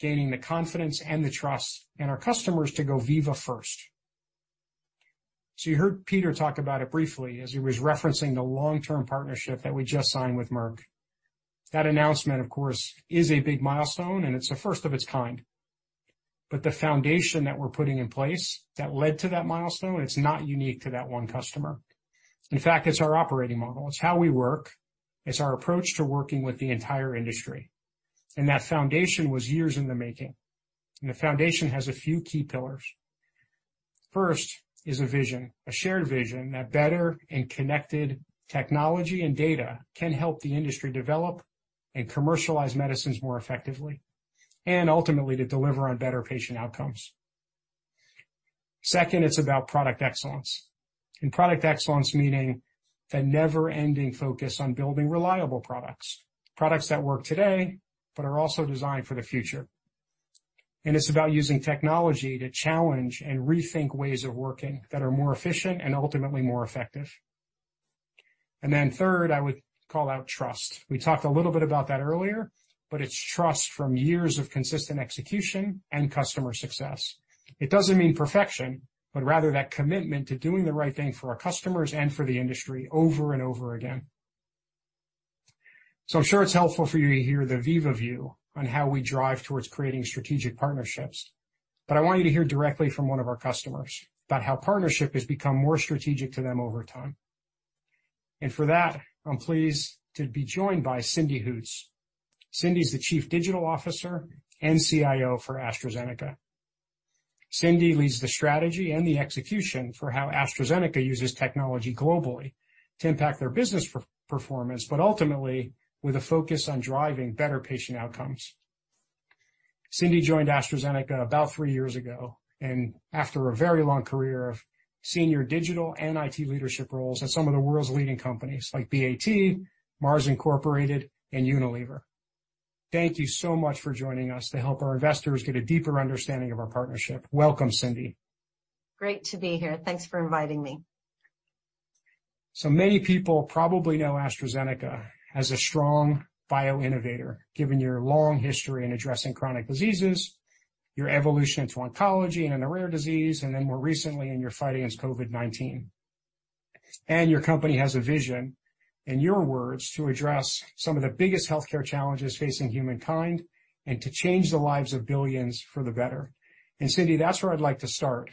gaining the confidence and the trust in our customers to go Veeva first. You heard Peter talk about it briefly as he was referencing the long-term partnership that we just signed with Merck. That announcement, of course, is a big milestone, and it's the first of its kind. The foundation that we're putting in place that led to that milestone, it's not unique to that one customer. In fact, it's our operating model. It's how we work. It's our approach to working with the entire industry. That foundation was years in the making, and the foundation has a few key pillars. First is a vision, a shared vision that better and connected technology and data can help the industry develop and commercialize medicines more effectively and ultimately to deliver on better patient outcomes. Second, it's about product excellence. Product excellence meaning the never-ending focus on building reliable products that work today but are also designed for the future. It's about using technology to challenge and rethink ways of working that are more efficient and ultimately more effective. Then third, I would call out trust. We talked a little bit about that earlier, but it's trust from years of consistent execution and customer success. It doesn't mean perfection, but rather that commitment to doing the right thing for our customers and for the industry over and over again. I'm sure it's helpful for you to hear the Veeva view on how we drive towards creating strategic partnerships. I want you to hear directly from one of our customers about how partnership has become more strategic to them over time. For that, I'm pleased to be joined by Cindy Hoots. Cindy is the Chief Digital Officer and CIO for AstraZeneca. Cindy leads the strategy and the execution for how AstraZeneca uses technology globally to impact their business performance, but ultimately with a focus on driving better patient outcomes. Cindy joined AstraZeneca about three years ago, and after a very long career of senior digital and IT leadership roles at some of the world's leading companies like BAT, Mars Incorporated, and Unilever. Thank you so much for joining us to help our investors get a deeper understanding of our partnership. Welcome, Cindy. Great to be here. Thanks for inviting me. Many people probably know AstraZeneca as a strong bio-innovator, given your long history in addressing chronic diseases, your evolution into oncology and in rare disease, and then more recently in your fight against COVID-19. Your company has a vision, in your words, "To address some of the biggest healthcare challenges facing humankind and to change the lives of billions for the better." Cindy, that's where I'd like to start.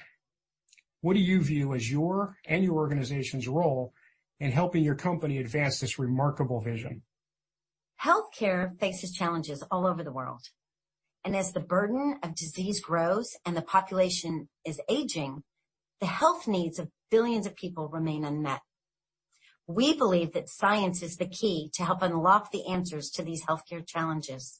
What do you view as your and your organization's role in helping your company advance this remarkable vision? Healthcare faces challenges all over the world. As the burden of disease grows and the population is aging, the health needs of billions of people remain unmet. We believe that science is the key to help unlock the answers to these healthcare challenges.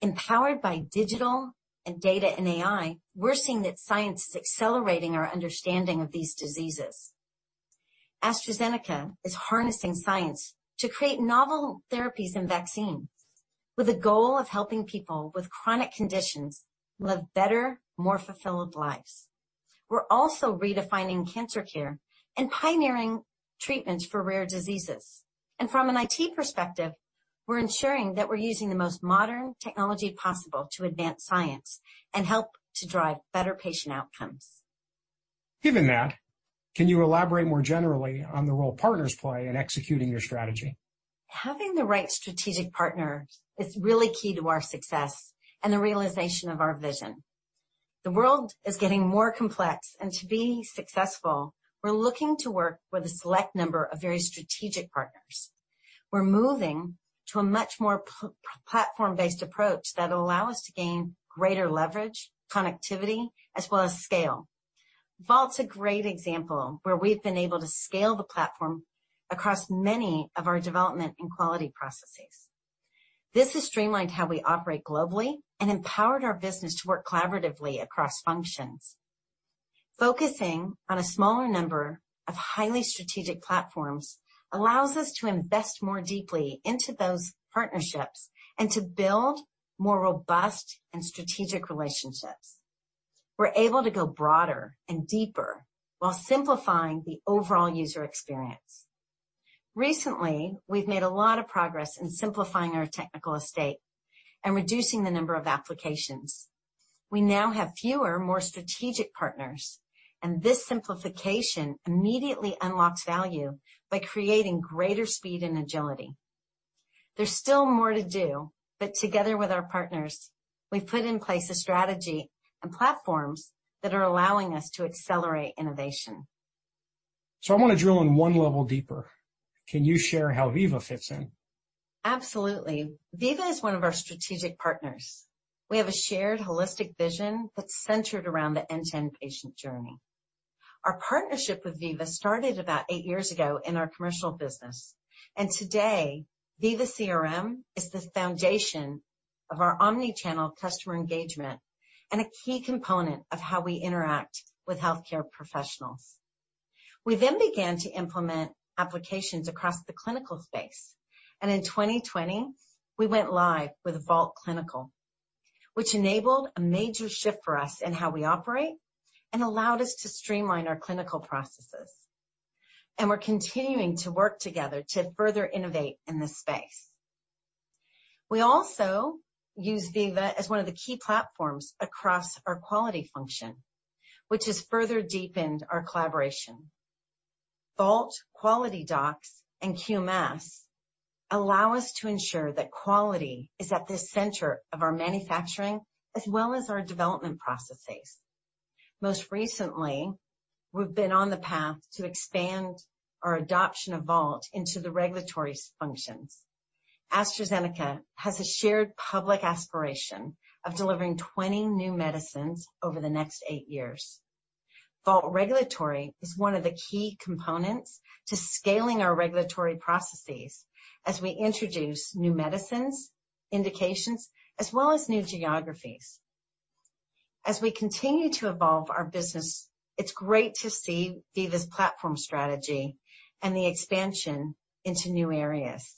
Empowered by digital and data and AI, we're seeing that science is accelerating our understanding of these diseases. AstraZeneca is harnessing science to create novel therapies and vaccines with the goal of helping people with chronic conditions live better, more fulfilled lives. We're also redefining cancer care and pioneering treatments for rare diseases. From an IT perspective, we're ensuring that we're using the most modern technology possible to advance science and help to drive better patient outcomes. Given that, can you elaborate more generally on the role partners play in executing your strategy? Having the right strategic partner is really key to our success and the realization of our vision. The world is getting more complex, and to be successful, we're looking to work with a select number of very strategic partners. We're moving to a much more platform-based approach that allow us to gain greater leverage, connectivity, as well as scale. Vault's a great example where we've been able to scale the platform across many of our development and quality processes. This has streamlined how we operate globally and empowered our business to work collaboratively across functions. Focusing on a smaller number of highly strategic platforms allows us to invest more deeply into those partnerships and to build more robust and strategic relationships. We're able to go broader and deeper while simplifying the overall user experience. Recently, we've made a lot of progress in simplifying our technical estate and reducing the number of applications. We now have fewer, more strategic partners, and this simplification immediately unlocks value by creating greater speed and agility. There's still more to do, but together with our partners, we've put in place a strategy and platforms that are allowing us to accelerate innovation. I wanna drill in one level deeper. Can you share how Veeva fits in? Absolutely. Veeva is one of our strategic partners. We have a shared holistic vision that's centered around the end-to-end patient journey. Our partnership with Veeva started about eight years ago in our commercial business. Today, Veeva CRM is the foundation of our omni-channel customer engagement and a key component of how we interact with healthcare professionals. We began to implement applications across the clinical space, and in 2020, we went live with Vault Clinical, which enabled a major shift for us in how we operate and allowed us to streamline our clinical processes. We're continuing to work together to further innovate in this space. We also use Veeva as one of the key platforms across our quality function, which has further deepened our collaboration. Vault QualityDocs and QMS allow us to ensure that quality is at the center of our manufacturing as well as our development processes. Most recently, we've been on the path to expand our adoption of Vault into the regulatory functions. AstraZeneca has a shared public aspiration of delivering 20 new medicines over the next eight years. Vault Regulatory is one of the key components to scaling our regulatory processes as we introduce new medicines, indications, as well as new geographies. As we continue to evolve our business, it's great to see Veeva's platform strategy and the expansion into new areas.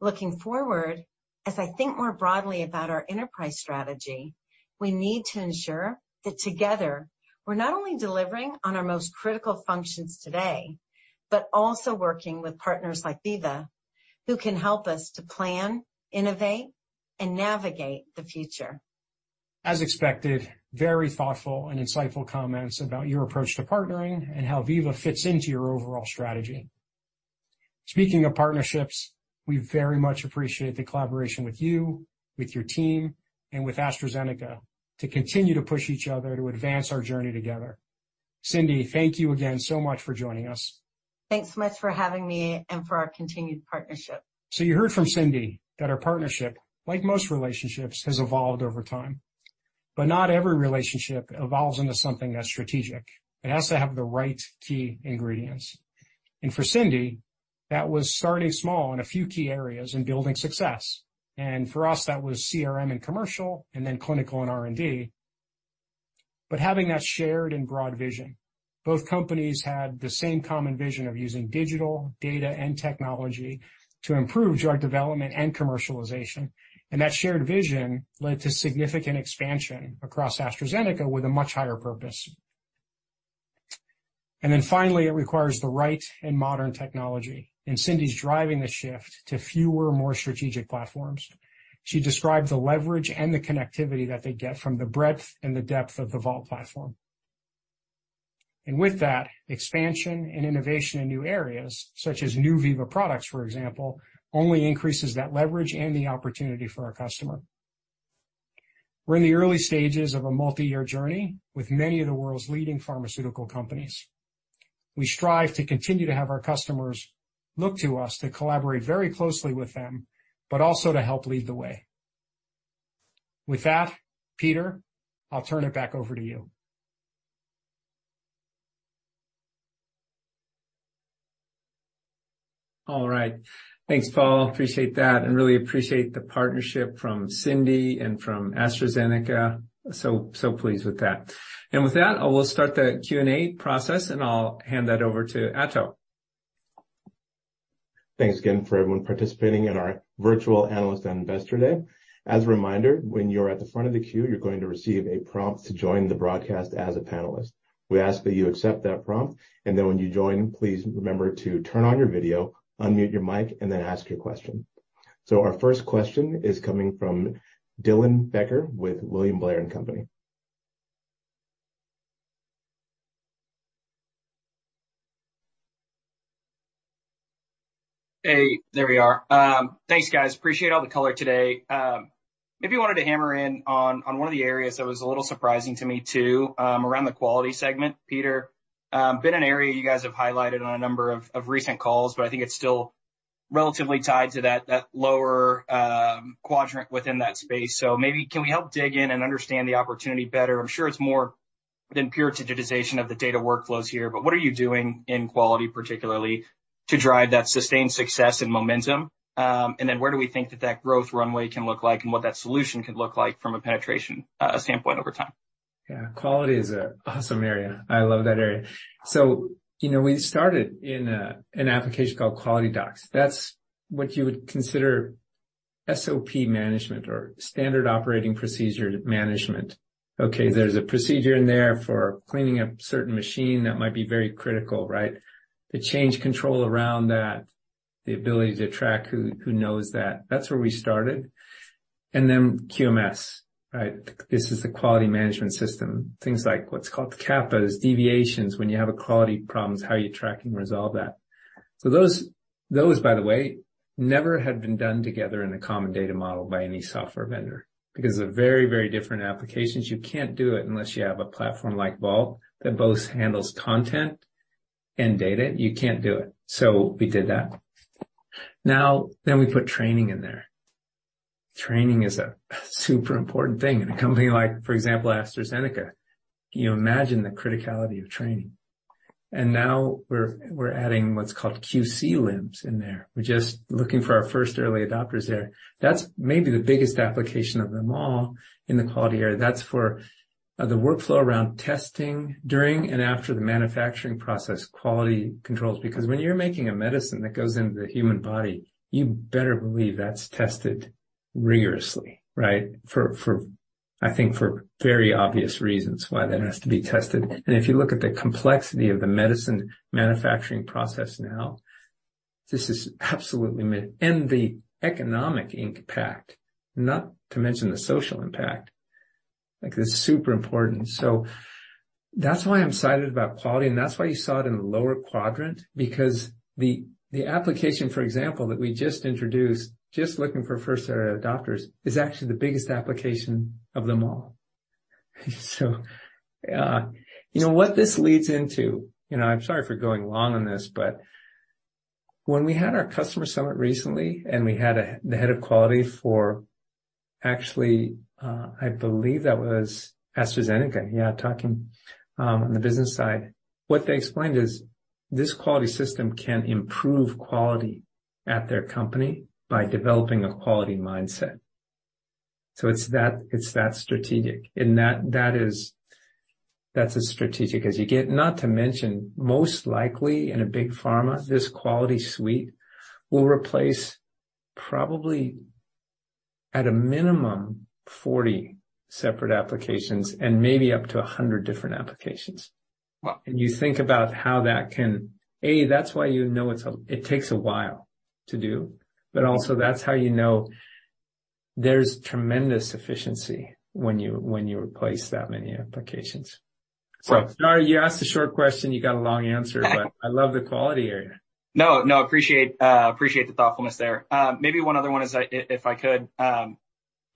Looking forward, as I think more broadly about our enterprise strategy, we need to ensure that together, we're not only delivering on our most critical functions today, but also working with partners like Veeva who can help us to plan, innovate, and navigate the future. As expected, very thoughtful and insightful comments about your approach to partnering and how Veeva fits into your overall strategy. Speaking of partnerships, we very much appreciate the collaboration with you, with your team, and with AstraZeneca to continue to push each other to advance our journey together. Cindy, thank you again so much for joining us. Thanks so much for having me and for our continued partnership. You heard from Cindy that our partnership, like most relationships, has evolved over time. Not every relationship evolves into something that's strategic. It has to have the right key ingredients. For Cindy, that was starting small in a few key areas and building success. For us, that was CRM and commercial and then clinical and R&D. Having that shared and broad vision, both companies had the same common vision of using digital data and technology to improve drug development and commercialization. That shared vision led to significant expansion across AstraZeneca with a much higher purpose. Finally, it requires the right and modern technology. Cindy's driving the shift to fewer, more strategic platforms. She described the leverage and the connectivity that they get from the breadth and the depth of the Vault platform. With that expansion and innovation in new areas such as new Veeva products, for example, only increases that leverage and the opportunity for our customer. We're in the early stages of a multi-year journey with many of the world's leading pharmaceutical companies. We strive to continue to have our customers look to us to collaborate very closely with them, but also to help lead the way. With that, Peter, I'll turn it back over to you. All right. Thanks, Paul. Appreciate that and really appreciate the partnership from Cindy and from AstraZeneca. Pleased with that. With that, I will start the Q&A process, and I'll hand that over to Ato. Thanks again for everyone participating in our virtual Analyst and Investor Day. As a reminder, when you're at the front of the queue, you're going to receive a prompt to join the broadcast as a panelist. We ask that you accept that prompt, and then when you join, please remember to turn on your video, unmute your mic, and then ask your question. Our first question is coming from Dylan Becker with William Blair & Company. Hey, there we are. Thanks, guys. Appreciate all the color today. Maybe wanted to hammer in on one of the areas that was a little surprising to me too, around the quality segment. Peter, been an area you guys have highlighted on a number of recent calls, but I think it's still relatively tied to that lower quadrant within that space. Maybe can we help dig in and understand the opportunity better? I'm sure it's more than pure digitization of the data workflows here, but what are you doing in quality particularly to drive that sustained success and momentum? Then where do we think that growth runway can look like and what that solution could look like from a penetration standpoint over time? Yeah. Quality is an awesome area. I love that area. You know, we started in an application called QualityDocs. That's what you would consider SOP management or standard operating procedure management. Okay. There's a procedure in there for cleaning a certain machine that might be very critical, right? The change control around that, the ability to track who knows that. That's where we started. Then QMS, right? This is the quality management system. Things like what's called the CAPAs, deviations. When you have a quality problem, how you track and resolve that. Those, by the way, never had been done together in a common data model by any software vendor because they're very, very different applications. You can't do it unless you have a platform like Vault that both handles content and data. You can't do it. We did that. We put training in there. Training is a super important thing in a company like, for example, AstraZeneca. Can you imagine the criticality of training? We're adding what's called QC LIMS in there. We're just looking for our first early adopters there. That's maybe the biggest application of them all in the quality area. That's for the workflow around testing during and after the manufacturing process, quality controls. Because when you're making a medicine that goes into the human body, you better believe that's tested rigorously, right? I think for very obvious reasons why that has to be tested. If you look at the complexity of the medicine manufacturing process now, this is absolutely huge. The economic impact, not to mention the social impact, like, this is super important. That's why I'm excited about quality, and that's why you saw it in the lower quadrant, because the application, for example, that we just introduced, just looking for early adopters, is actually the biggest application of them all. You know what this leads into, you know. I'm sorry for going long on this, but when we had our customer summit recently and we had the head of quality for actually. I believe that was AstraZeneca, yeah, talking on the business side. What they explained is this quality system can improve quality at their company by developing a quality mindset. It's that strategic. That's as strategic as you get. Not to mention, most likely in a big pharma, this quality suite will replace probably at a minimum 40 separate applications and maybe up to 100 different applications. You think about how that can. That's why you know it takes a while to do, but also that's how you know there's tremendous efficiency when you replace that many applications. Sorry, you asked a short question, you got a long answer. I love the quality area. No, no. Appreciate the thoughtfulness there. Maybe one other one is if I could.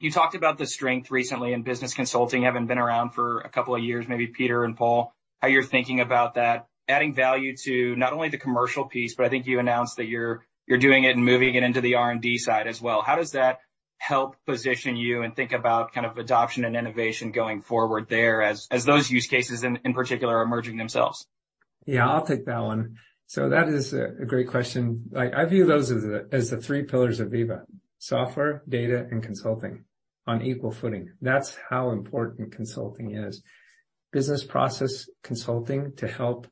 You talked about the strength recently in business consulting. Haven't been around for a couple of years, maybe Peter and Paul, how you're thinking about that, adding value to not only the commercial piece, but I think you announced that you're doing it and moving it into the R&D side as well. How does that Help position you and think about kind of adoption and innovation going forward there as those use cases in particular are emerging themselves. Yeah, I'll take that one. That is a great question. I view those as the three pillars of Veeva, software, data, and consulting on equal footing. That's how important consulting is. Business process consulting to help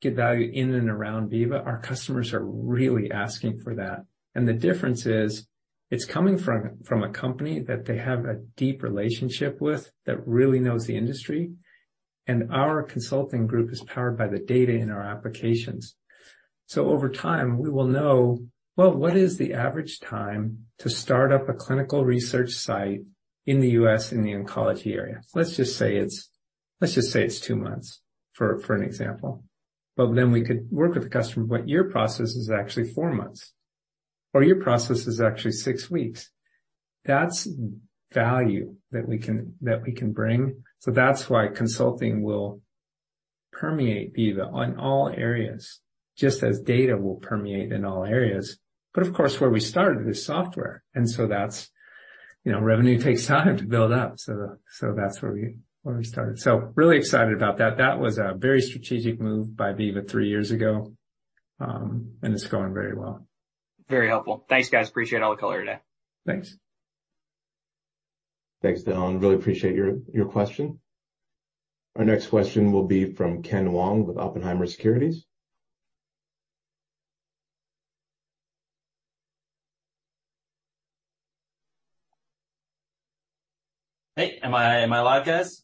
get value in and around Veeva, our customers are really asking for that. The difference is it's coming from a company that they have a deep relationship with that really knows the industry, and our consulting group is powered by the data in our applications. Over time, we will know, well, what is the average time to start up a clinical research site in the U.S. in the oncology area? Let's just say it's two months for an example. Well, then we could work with a customer, but your process is actually four months, or your process is actually six weeks. That's value that we can bring. That's why consulting will permeate Veeva in all areas, just as data will permeate in all areas. Of course, where we started is software, and that's, you know, revenue takes time to build up. That's where we started. Really excited about that. That was a very strategic move by Veeva three years ago, and it's going very well. Very helpful. Thanks, guys. Appreciate all the color today. Thanks. Thanks, Dylan. Really appreciate your question. Our next question will be from Ken Wong with Oppenheimer Securities Hey, am I live, guys?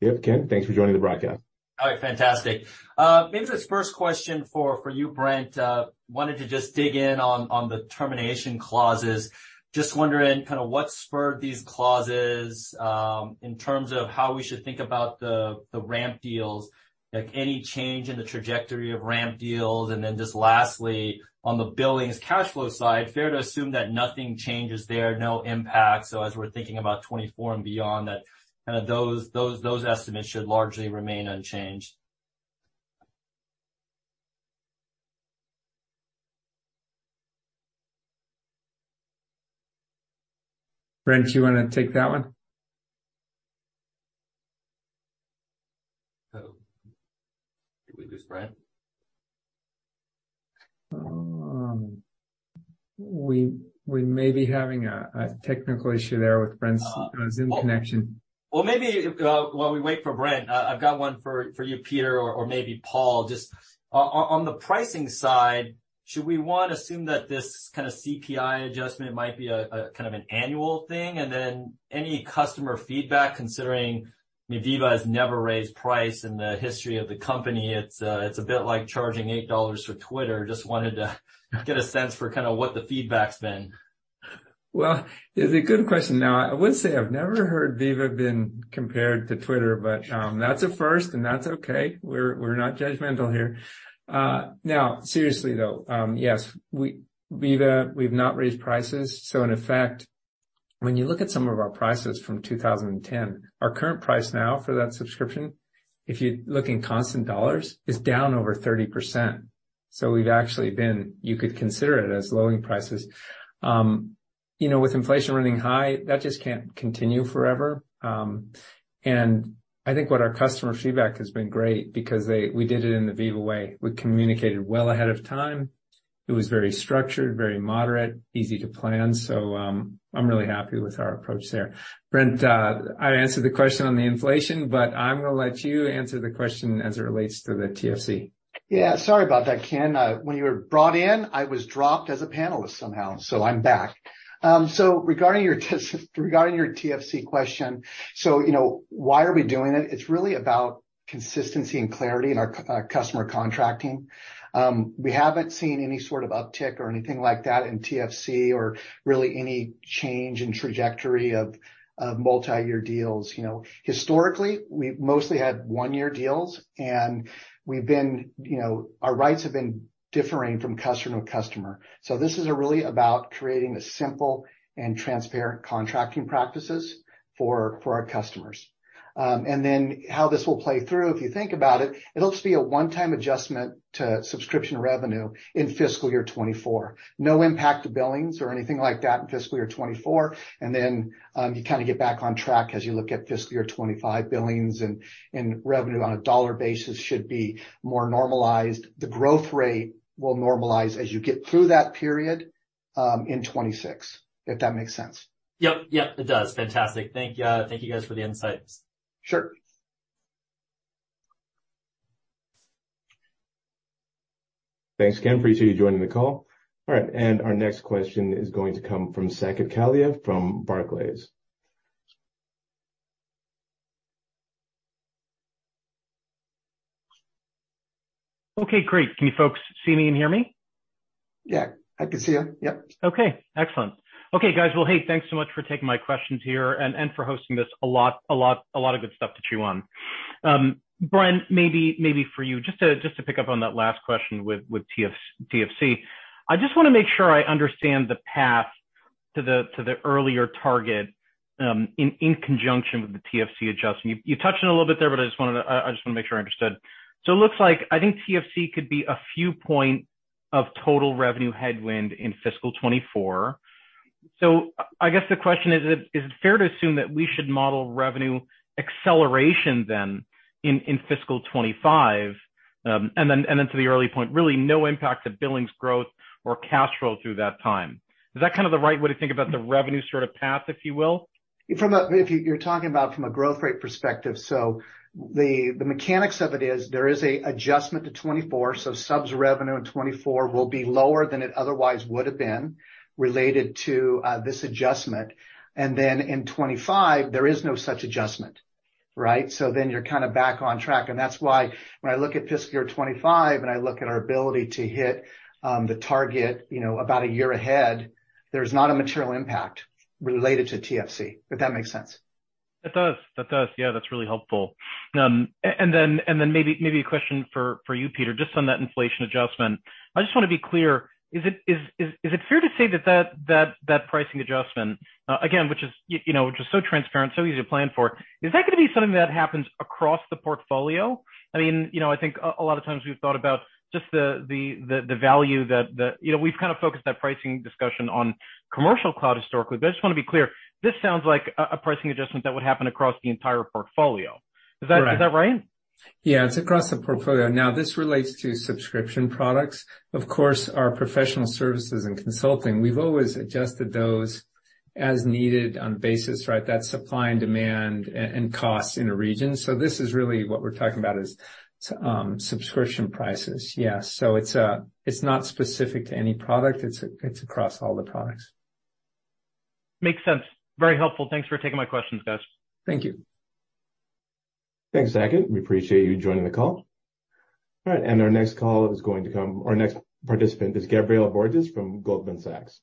Yep, Ken. Thanks for joining the broadcast. All right. Fantastic. Maybe this first question for you, Brent. Wanted to just dig in on the termination clauses. Just wondering kinda what spurred these clauses, in terms of how we should think about the ramp deals, like any change in the trajectory of ramp deals. Then just lastly, on the billings cash flow side, fair to assume that nothing changes there, no impact. As we're thinking about 2024 and beyond, that those estimates should largely remain unchanged. Brent, do you wanna take that one? Did we lose Brent? We may be having a technical issue there with Brent's Zoom connection. Well, maybe while we wait for Brent, I've got one for you, Peter or maybe Paul. Just on the pricing side, should we want to assume that this kinda CPI adjustment might be a kind of an annual thing? Then any customer feedback considering Veeva has never raised price in the history of the company. It's a bit like charging $8 for Twitter. Just wanted to get a sense for kinda what the feedback's been. Well, it's a good question. Now, I would say I've never heard Veeva been compared to Twitter, but that's a first, and that's okay. We're not judgmental here. Now, seriously, though, yes, Veeva, we've not raised prices. In effect, when you look at some of our prices from 2010, our current price now for that subscription, if you look in constant dollars, is down over 30%. We've actually been. You could consider it as lowering prices. You know, with inflation running high, that just can't continue forever. I think what our customer feedback has been great because we did it in the Veeva way. We communicated well ahead of time. It was very structured, very moderate, easy to plan. I'm really happy with our approach there. Brent, I answered the question on the inflation, but I'm gonna let you answer the question as it relates to the TFC. Yeah. Sorry about that, Ken. When you were brought in, I was dropped as a panelist somehow, so I'm back. Regarding your TFC question, you know, why are we doing it? It's really about consistency and clarity in our customer contracting. We haven't seen any sort of uptick or anything like that in TFC or really any change in trajectory of multi-year deals. You know, historically, we've mostly had one-year deals, and we've been, you know, our rights have been differing from customer to customer. This is really about creating a simple and transparent contracting practices for our customers. Then how this will play through, if you think about it'll just be a one-time adjustment to subscription revenue in fiscal year 2024. No impact to billings or anything like that in fiscal year 2024. Then, you kinda get back on track as you look at fiscal year 2025 billings, and revenue on a dollar basis should be more normalized. The growth rate will normalize as you get through that period in 2026, if that makes sense. Yep. Yep, it does. Fantastic. Thank you guys for the insights. Sure. Thanks, Ken. Appreciate you joining the call. All right, our next question is going to come from Saket Kalia from Barclays. Okay, great. Can you folks see me and hear me? Yeah, I can see you. Yep. Okay, excellent. Okay, guys. Well, hey, thanks so much for taking my questions here and for hosting this. A lot of good stuff to chew on. Brent, maybe for you, just to pick up on that last question with TFC. I just wanna make sure I understand the path to the earlier target, in conjunction with the TFC adjustment. You touched on it a little bit there, but I just wanted to, I just wanna make sure I understood. It looks like I think TFC could be a few points of total revenue headwind in fiscal 2024. I guess the question is: Is it fair to assume that we should model revenue acceleration then in fiscal 2025? to the early point, really no impact to billings growth or cash flow through that time. Is that kind of the right way to think about the revenue sort of path, if you will? If you're talking about from a growth rate perspective. The mechanics of it is there is an adjustment to 2024, so subs revenue in 2024 will be lower than it otherwise would have been related to this adjustment. Then in 2025 there is no such adjustment, right? Then you're kinda back on track. That's why when I look at fiscal year 2025 and I look at our ability to hit the target, you know, about a year ahead, there's not a material impact related to TFC, if that makes sense. That does. Yeah. That's really helpful. Then maybe a question for you, Peter, just on that inflation adjustment. I just wanna be clear. Is it fair to say that pricing adjustment, again, which is, you know, just so transparent, so easy to plan for, is that gonna be something that happens across the portfolio? I mean, you know, I think a lot of times we've thought about just the value that. You know, we've kind of focused that pricing discussion on commercial cloud historically. I just wanna be clear. This sounds like a pricing adjustment that would happen across the entire portfolio. Right. Is that right? Yeah, it's across the portfolio. Now, this relates to subscription products. Of course, our professional services and consulting, we've always adjusted those as needed on basis, right? That supply and demand and costs in a region. This is really what we're talking about is subscription prices. Yeah. It's not specific to any product. It's across all the products. Makes sense. Very helpful. Thanks for taking my questions, guys. Thank you. Thanks, Saket. We appreciate you joining the call. All right, our next participant is Gabriela Borges from Goldman Sachs.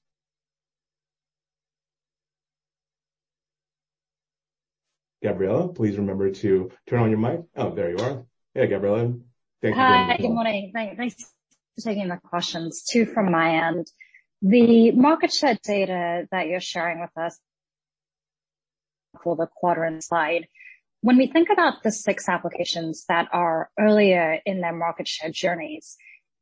Gabriela, please remember to turn on your mic. Oh, there you are. Hey, Gabriela. Thank you for joining. Hi. Good morning. Thank you. Thanks for taking the questions too from my end. The market share data that you're sharing with us for the quadrant slide, when we think about the six applications that are earlier in their market share journeys,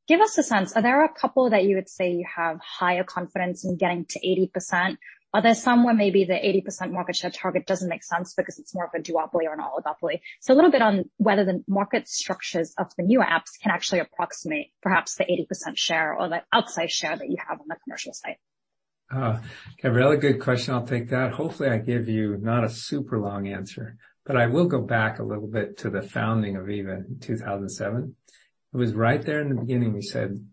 give us a sense, are there a couple that you would say you have higher confidence in getting to 80%? Are there some where maybe the 80% market share target doesn't make sense because it's more of a duopoly or an oligopoly? A little bit on whether the market structures of the new apps can actually approximate perhaps the 80% share or the outsized share that you have on the commercial side. Gabriela, good question. I'll take that. Hopefully, I give you not a super long answer. I will go back a little bit to the founding of Veeva in 2007. It was right there in the beginning, we said,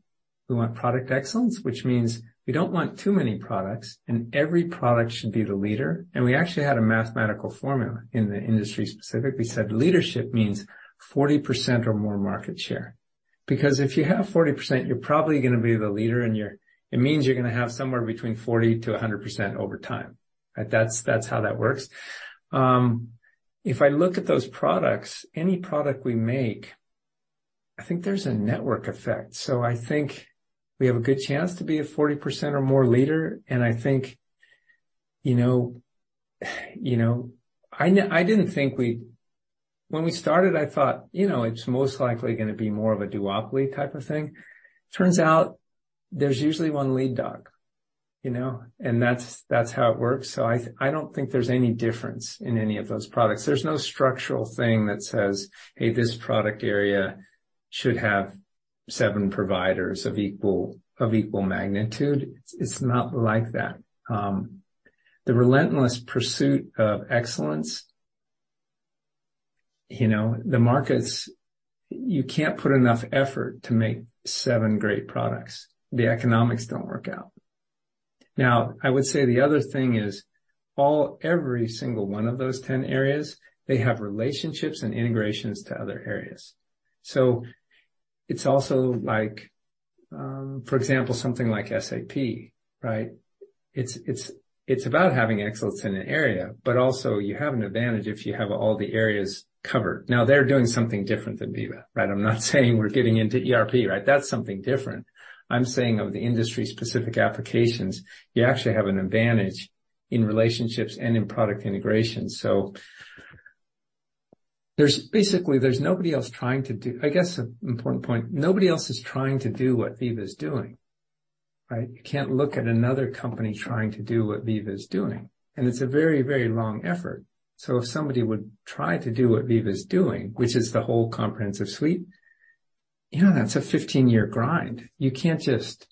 we want product excellence, which means we don't want too many products, and every product should be the leader. We actually had a mathematical formula in the industry specifically said leadership means 40% or more market share. Because if you have 40%, you're probably gonna be the leader, and it means you're gonna have somewhere between 40%-100% over time. That's how that works. If I look at those products, any product we make, I think there's a network effect. I think we have a good chance to be a 40% or more leader. I think, you know, I didn't think we'd. When we started, I thought, you know, it's most likely gonna be more of a duopoly type of thing. Turns out there's usually one lead dog, you know, and that's how it works. I don't think there's any difference in any of those products. There's no structural thing that says, "Hey, this product area should have seven providers of equal magnitude." It's not like that. The relentless pursuit of excellence, you know, the markets, you can't put enough effort to make seven great products. The economics don't work out. Now, I would say the other thing is all, every single one of those 10 areas, they have relationships and integrations to other areas. It's also like, for example, something like SAP, right? It's about having excellence in an area, but also you have an advantage if you have all the areas covered. Now, they're doing something different than Veeva, right? I'm not saying we're getting into ERP, right? That's something different. I'm saying of the industry-specific applications, you actually have an advantage in relationships and in product integration. There's basically nobody else trying to do it. I guess an important point, nobody else is trying to do what Veeva is doing, right? You can't look at another company trying to do what Veeva is doing, and it's a very, very long effort. If somebody would try to do what Veeva is doing, which is the whole comprehensive suite, you know, that's a 15-year grind. You can't just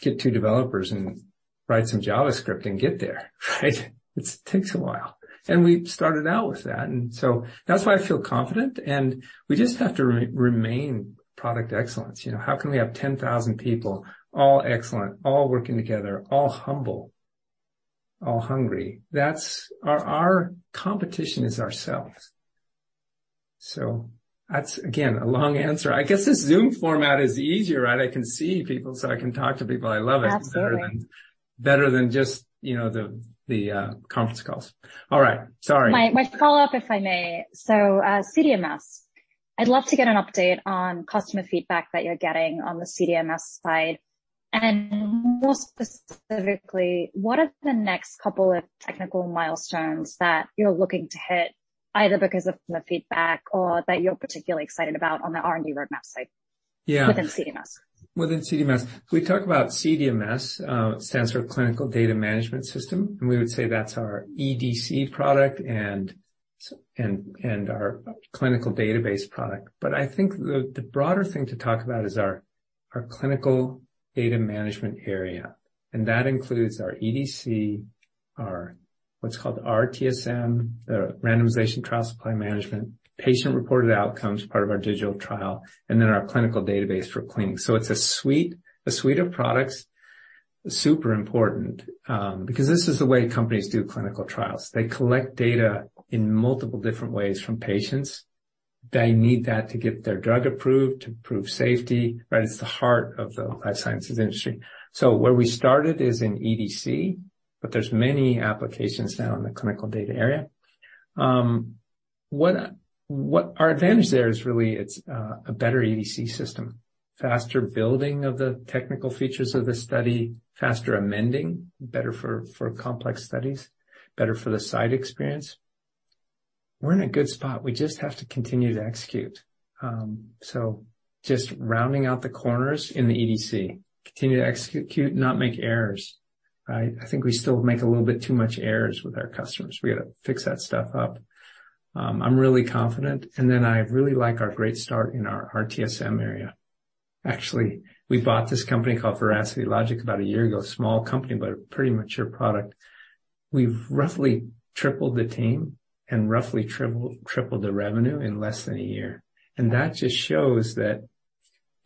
get two developers and write some JavaScript and get there, right? It takes a while. We started out with that, so that's why I feel confident, and we just have to remain product excellence. You know, how can we have 10,000 people, all excellent, all working together, all humble, all hungry? That's our competition is ourselves. That's again a long answer. I guess this Zoom format is easier, right? I can see people, so I can talk to people. I love it. Absolutely. Better than just, you know, the conference calls. All right. Sorry. My follow-up, if I may. So, CDMS. I'd love to get an update on customer feedback that you're getting on the CDMS side. More specifically, what are the next couple of technical milestones that you're looking to hit, either because of the feedback or that you're particularly excited about on the R&D roadmap side? Yeah. within CDMS. Within CDMS. We talk about CDMS, stands for Clinical Data Management System, and we would say that's our EDC product and our clinical database product. I think the broader thing to talk about is our clinical data management area, and that includes our EDC, our what's called RTSM, Randomization Trial Supply Management, patient-reported outcomes, part of our digital trial, and then our clinical database for cleaning. It's a suite of products. Super important, because this is the way companies do clinical trials. They collect data in multiple different ways from patients. They need that to get their drug approved, to prove safety, right? It's the heart of the life sciences industry. Where we started is in EDC, but there's many applications now in the clinical data area. What our advantage there is really it's a better EDC system. Faster building of the technical features of the study, faster amending, better for complex studies, better for the site experience. We're in a good spot. We just have to continue to execute. Just rounding out the corners in the EDC, continue to execute, not make errors, right? I think we still make a little bit too much errors with our customers. We gotta fix that stuff up. I'm really confident, and then I really like our great start in our RTSM area. Actually, we bought this company called Veracity Logic about a year ago. Small company, but a pretty mature product. We've roughly tripled the team and roughly tripled the revenue in less than a year. That just shows that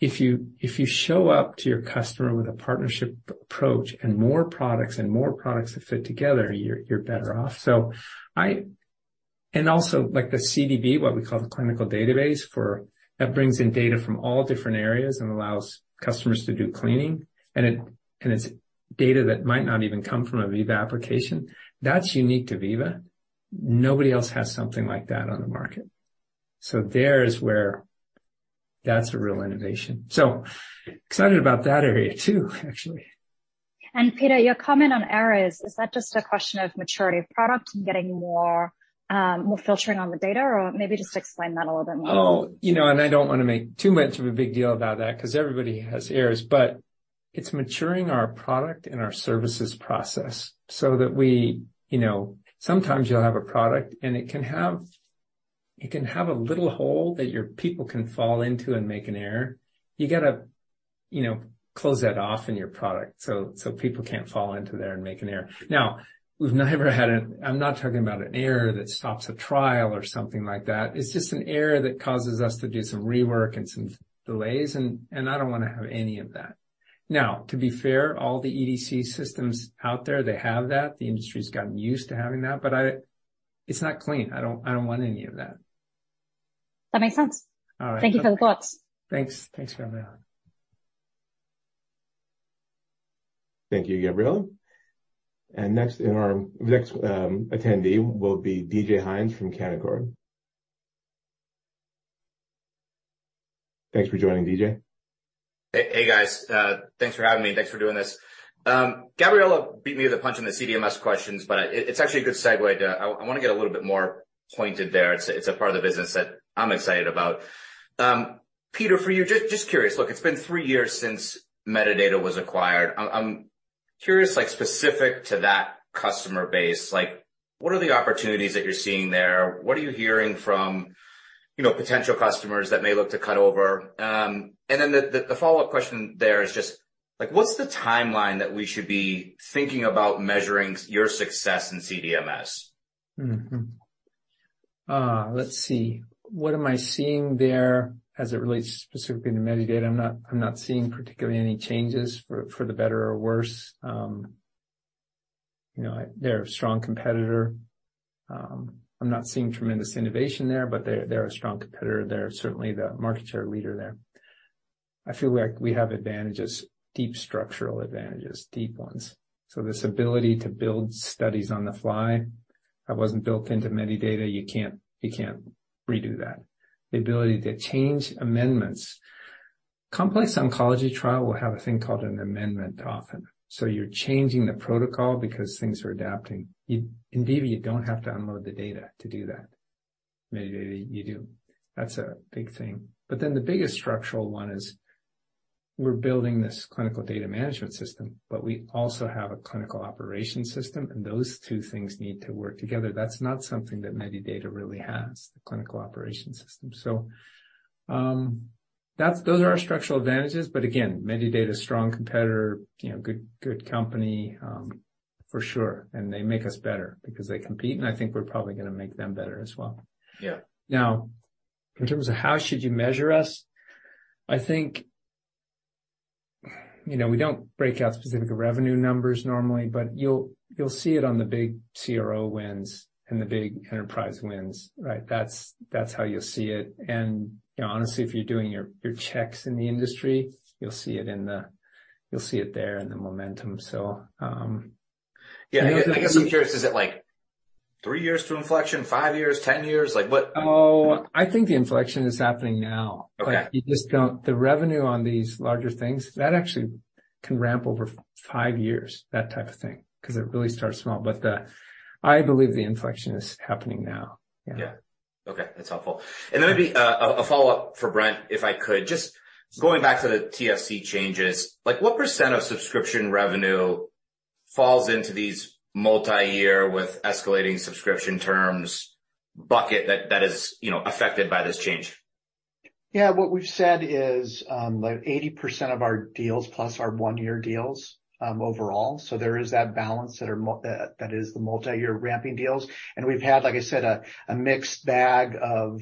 if you show up to your customer with a partnership approach and more products that fit together, you're better off. Also, like the CDB, what we call the clinical database that brings in data from all different areas and allows customers to do cleaning, and it's data that might not even come from a Veeva application. That's unique to Veeva. Nobody else has something like that on the market. That's where that's a real innovation. Excited about that area too, actually. Peter, your comment on errors, is that just a question of maturity of product and getting more filtering on the data? Or maybe just explain that a little bit more. Oh, you know, I don't wanna make too much of a big deal about that 'cause everybody has errors, but it's maturing our product and our services process so that we, you know, sometimes you'll have a product and it can have a little hole that your people can fall into and make an error. You gotta, you know, close that off in your product, so people can't fall into there and make an error. Now, we've never had. I'm not talking about an error that stops a trial or something like that. It's just an error that causes us to do some rework and some delays and I don't wanna have any of that. Now, to be fair, all the EDC systems out there, they have that. The industry's gotten used to having that, but it's not clean. I don't want any of that. That makes sense. All right. Thank you for the thoughts. Thanks for having me on. Thank you, Gabriela. Next attendee will be DJ Hynes from Canaccord. Thanks for joining, DJ. Hey, guys. Thanks for having me. Thanks for doing this. Gabriela beat me to the punch on the CDMS questions, but it's actually a good segue to I wanna get a little bit more pointed there. It's a part of the business that I'm excited about. Peter, for you, just curious. Look, it's been three years since Medidata was acquired. I'm curious, like, specific to that customer base. Like, what are the opportunities that you're seeing there? What are you hearing from, you know, potential customers that may look to cut over? And then the follow-up question there is just, like, what's the timeline that we should be thinking about measuring your success in CDMS? Let's see. What am I seeing there as it relates specifically to Medidata? I'm not seeing particularly any changes for the better or worse. You know, they're a strong competitor. I'm not seeing tremendous innovation there, but they're a strong competitor. They're certainly the market share leader there. I feel like we have advantages, deep structural advantages, deep ones. This ability to build studies on the fly, that wasn't built into Medidata. You can't redo that. The ability to change amendments. Complex oncology trial will have a thing called an amendment often, so you're changing the protocol because things are adapting. In Veeva, you don't have to unload the data to do that. Medidata, you do. That's a big thing. The biggest structural one is we're building this clinical data management system, but we also have a clinical operations system, and those two things need to work together. That's not something that Medidata really has, the clinical operations system. So, those are our structural advantages, but again, Medidata's a strong competitor, you know, good company, for sure. They make us better because they compete, and I think we're probably gonna make them better as well. Yeah. Now, in terms of how should you measure us, I think, you know, we don't break out specific revenue numbers normally, but you'll see it on the big CRO wins and the big enterprise wins, right? That's how you'll see it. You know, honestly, if you're doing your checks in the industry, you'll see it there in the momentum. You know Yeah. I guess I'm curious, is it, like? Three years to inflection, five years, 10 years? Like what? Oh, I think the inflection is happening now. Okay. The revenue on these larger things, that actually can ramp over five years, that type of thing, 'cause it really starts small. I believe the inflection is happening now. Yeah. Yeah. Okay. That's helpful. Maybe a follow-up for Brent, if I could. Just going back to the TFC changes, like, what percent of subscription revenue falls into these multi-year with escalating subscription terms bucket that is, you know, affected by this change? Yeah. What we've said is, like, 80% of our deals plus our one-year deals, overall. There is that balance that is the multi-year ramping deals. We've had, like I said, a mixed bag of,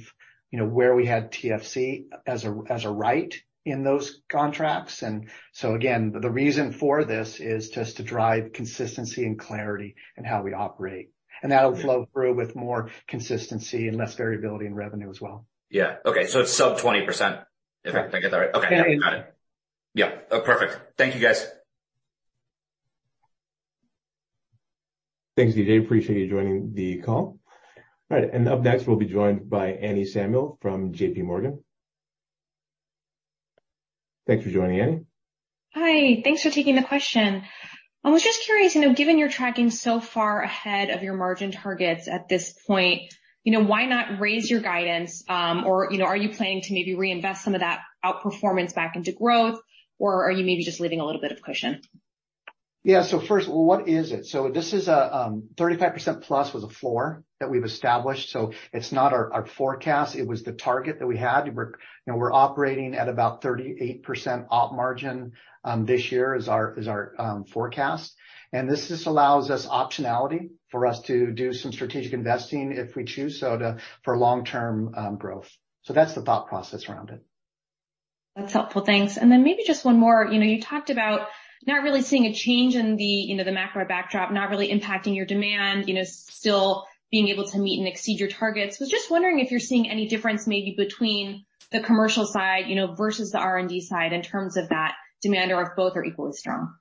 you know, where we had TFC as a right in those contracts. Again, the reason for this is just to drive consistency and clarity in how we operate. That'll flow through with more consistency and less variability in revenue as well. Yeah. Okay. It's sub 20%, if I think I got it right. Correct. Okay. Got it. Yeah. Perfect. Thank you, guys. Thanks, DJ. Appreciate you joining the call. All right, up next we'll be joined by Annie Samuel from JPMorgan. Thanks for joining, Annie. Hi. Thanks for taking the question. I was just curious, you know, given you're tracking so far ahead of your margin targets at this point, you know, why not raise your guidance? Or, you know, are you planning to maybe reinvest some of that outperformance back into growth, or are you maybe just leaving a little bit of cushion? Yeah. First, what is it? This is a 35% plus was a floor that we've established, so it's not our forecast. It was the target that we had. We're, you know, we're operating at about 38% operating margin this year. This is our forecast. This just allows us optionality for us to do some strategic investing if we choose to for long-term growth. That's the thought process around it. That's helpful. Thanks. Maybe just one more. You know, you talked about not really seeing a change in the, you know, the macro backdrop, not really impacting your demand, you know, still being able to meet and exceed your targets. Was just wondering if you're seeing any difference maybe between the commercial side, you know, versus the R&D side in terms of that demand or if both are equally strong.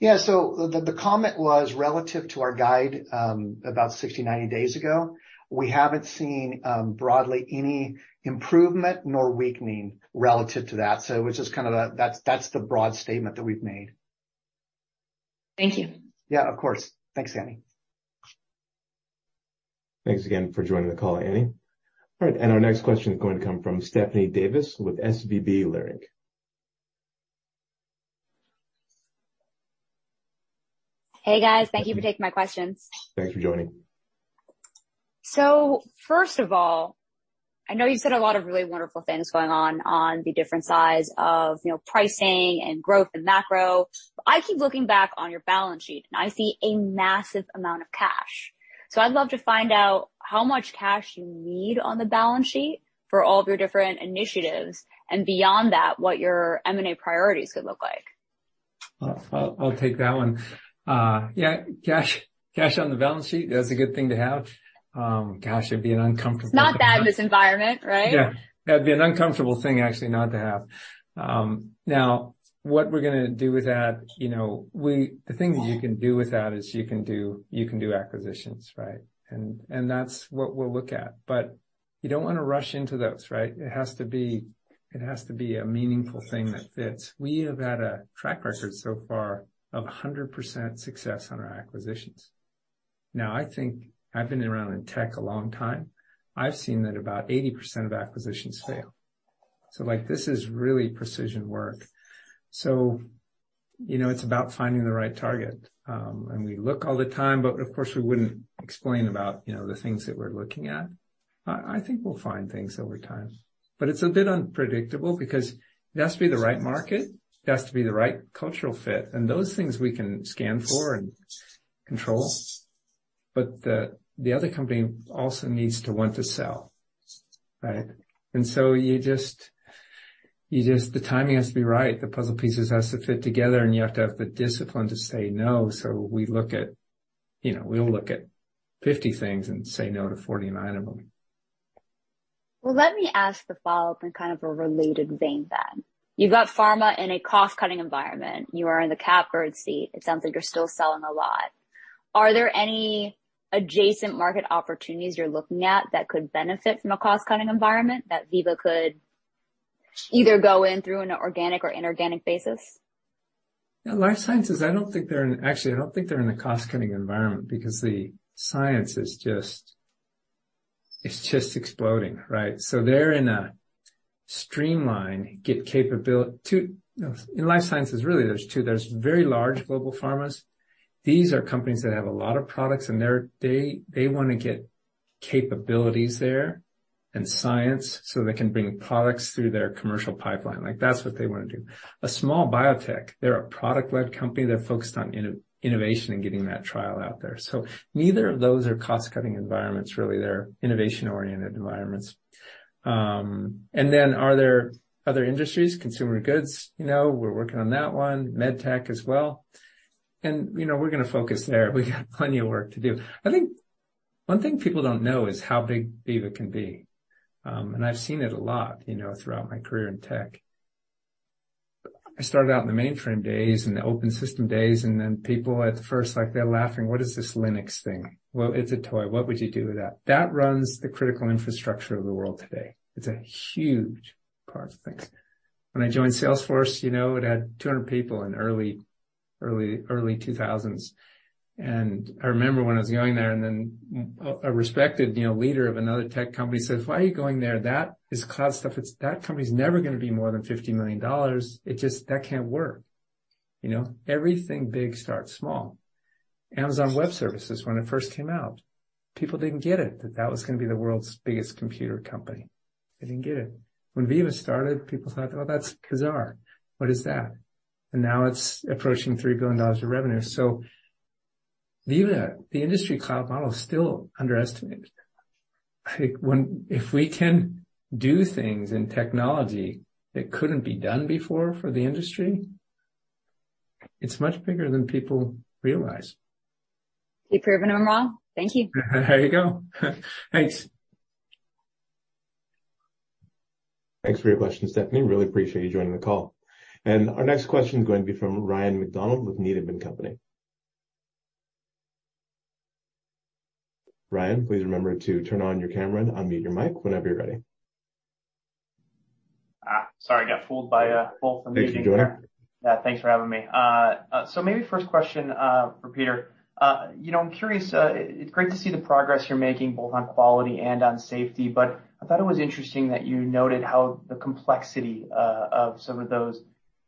Yeah. The comment was relative to our guide about 60, 90 days ago. We haven't seen broadly any improvement nor weakening relative to that. Which is kind of that's the broad statement that we've made. Thank you. Yeah. Of course. Thanks, Annie. Thanks again for joining the call, Annie. All right, our next question is going to come from Stephanie Davis with SVB Leerink. Hey, guys. Thank you for taking my questions. Thanks for joining. First of all, I know you said a lot of really wonderful things going on the different sides of, you know, pricing and growth and macro. I keep looking back on your balance sheet, and I see a massive amount of cash. I'd love to find out how much cash you need on the balance sheet for all of your different initiatives, and beyond that, what your M&A priorities could look like. I'll take that one. Yeah, cash on the balance sheet, that's a good thing to have. Gosh, it'd be an uncomfortable. It's not bad in this environment, right? Yeah. That'd be an uncomfortable thing actually not to have. Now what we're gonna do with that, you know, the thing that you can do with that is you can do acquisitions, right? That's what we'll look at. You don't wanna rush into those, right? It has to be a meaningful thing that fits. We have had a track record so far of 100% success on our acquisitions. Now, I think I've been around in tech a long time. I've seen that about 80% of acquisitions fail. Like, this is really precision work. You know, it's about finding the right target. We look all the time, but of course, we wouldn't explain about, you know, the things that we're looking at. I think we'll find things over time, but it's a bit unpredictable because it has to be the right market, it has to be the right cultural fit, and those things we can scan for and control. The other company also needs to want to sell, right? You just, the timing has to be right. The puzzle pieces has to fit together, and you have to have the discipline to say no. We look at, you know, we'll look at 50 things and say no to 49 of them. Well, let me ask the follow-up in kind of a related vein then. You've got pharma in a cost-cutting environment. You are in the catbird seat. It sounds like you're still selling a lot. Are there any adjacent market opportunities you're looking at that could benefit from a cost-cutting environment that Veeva could either go in through an organic or inorganic basis? Yeah. Life sciences, actually, I don't think they're in a cost-cutting environment because the science is just exploding, right? They're in a streamline get capability to. You know, in life sciences, really there's two. There's very large global pharmas. These are companies that have a lot of products, and they wanna get capabilities there and science so they can bring products through their commercial pipeline. Like, that's what they wanna do. A small biotech, they're a product-led company. They're focused on innovation and getting that trial out there. Neither of those are cost-cutting environments, really. They're innovation-oriented environments. Then are there other industries, consumer goods? You know, we're working on that one. MedTech as well. You know, we're gonna focus there. We got plenty of work to do. I think one thing people don't know is how big Veeva can be. I've seen it a lot, you know, throughout my career in tech. I started out in the mainframe days and the open system days, and then people at first like they're laughing. What is this Linux thing? Well, it's a toy. What would you do with that? That runs the critical infrastructure of the world today. It's a huge part of things. When I joined Salesforce, you know, it had 200 people in early 2000s. I remember when I was going there and then a respected, you know, leader of another tech company says, "Why are you going there? That is cloud stuff. That company is never gonna be more than $50 million. That can't work." You know, everything big starts small. Amazon Web Services, when it first came out, people didn't get it, that was gonna be the world's biggest computer company. They didn't get it. When Veeva started, people thought, "Oh, that's bizarre. What is that?" Now it's approaching $3 billion of revenue. Veeva, the industry cloud model is still underestimated. I think if we can do things in technology that couldn't be done before for the industry, it's much bigger than people realize. You've proven them wrong. Thank you. There you go. Thanks. Thanks for your question, Stephanie. Really appreciate you joining the call. Our next question is going to be from Ryan MacDonald with Needham & Company. Ryan, please remember to turn on your camera and unmute your mic whenever you're ready. Sorry, I got fooled by both unmuting there. Thank you. Go ahead. Yeah, thanks for having me. Maybe first question for Peter. You know, I'm curious, it's great to see the progress you're making both on quality and on safety, but I thought it was interesting that you noted how the complexity of some of those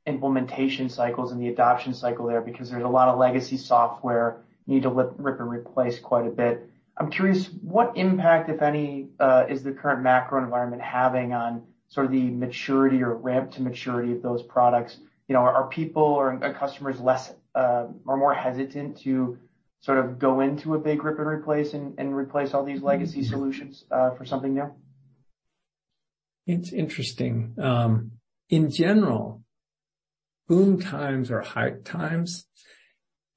implementation cycles and the adoption cycle there, because there's a lot of legacy software you need to rip and replace quite a bit. I'm curious, what impact, if any, is the current macro environment having on sort of the maturity or ramp to maturity of those products? You know, are people or customers less or more hesitant to sort of go into a big rip and replace and replace all these legacy solutions for something new? It's interesting. In general, boom times or hype times,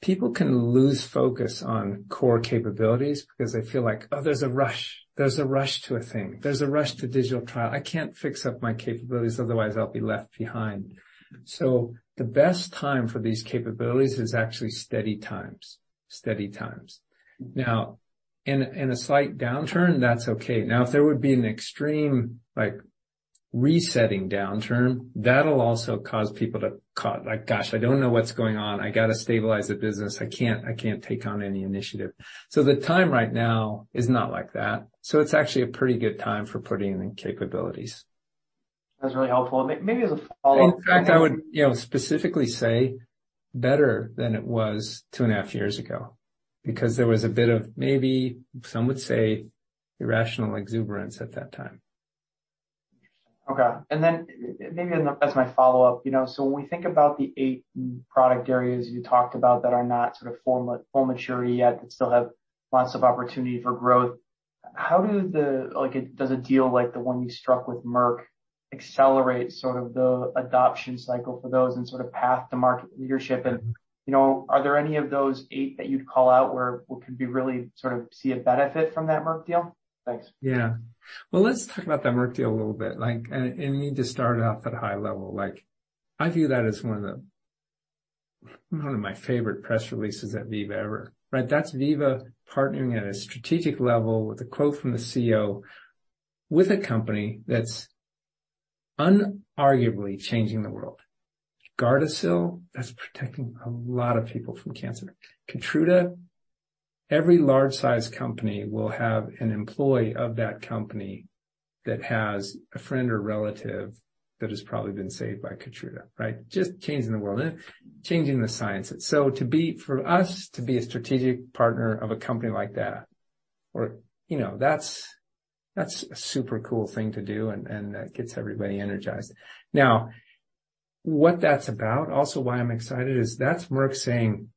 people can lose focus on core capabilities because they feel like, oh, there's a rush. There's a rush to a thing. There's a rush to digital trial. I can't fix up my capabilities, otherwise I'll be left behind. The best time for these capabilities is actually steady times. Now, in a slight downturn, that's okay. Now, if there would be an extreme, like resetting downturn, that'll also cause people to, like, "Gosh, I don't know what's going on. I gotta stabilize the business. I can't take on any initiative." The time right now is not like that. It's actually a pretty good time for putting in capabilities. That's really helpful. Maybe as a follow-up. In fact, I would, you know, specifically say better than it was two and a half years ago, because there was a bit of maybe, some would say, irrational exuberance at that time. Okay. Maybe as my follow-up, you know, so when we think about the eight product areas you talked about that are not sort of full maturity yet, that still have lots of opportunity for growth, how do the, like, does a deal like the one you struck with Merck accelerate sort of the adoption cycle for those and sort of path to market leadership? You know, are there any of those eight that you'd call out where we could really sort of see a benefit from that Merck deal? Thanks. Yeah. Well, let's talk about that Merck deal a little bit. Like, and you need to start off at a high level. Like, I view that as one of my favorite press releases at Veeva ever, right? That's Veeva partnering at a strategic level with a quote from the CEO with a company that's unarguably changing the world. Gardasil, that's protecting a lot of people from cancer. Keytruda, every large-sized company will have an employee of that company that has a friend or relative that has probably been saved by Keytruda, right? Just changing the world and changing the science. For us to be a strategic partner of a company like that or, you know, that's a super cool thing to do and that gets everybody energized. What that's about, also why I'm excited is that's Merck saying,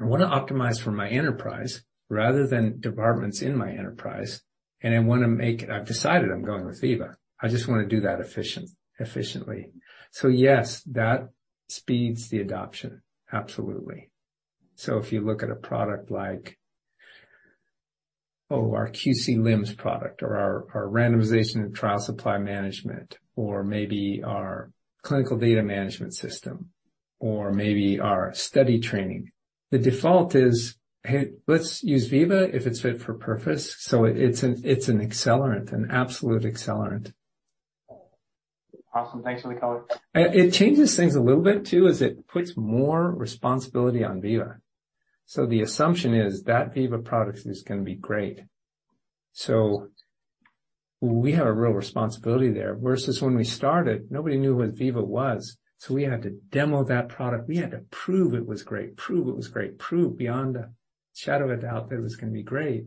"I wanna optimize for my enterprise rather than departments in my enterprise, and I wanna make—I've decided I'm going with Veeva. I just wanna do that efficiently." Yes, that speeds the adoption. Absolutely. If you look at a product like, oh, our QC LIMS product or our randomization and trial supply management or maybe our clinical data management system or maybe our study training, the default is, "Hey, let's use Veeva if it's fit for purpose." It's an accelerant, an absolute accelerant. Awesome. Thanks for the color. It changes things a little bit too, as it puts more responsibility on Veeva. The assumption is that Veeva product is gonna be great. We have a real responsibility there, versus when we started, nobody knew what Veeva was, so we had to demo that product. We had to prove it was great, prove beyond a shadow of a doubt that it was gonna be great.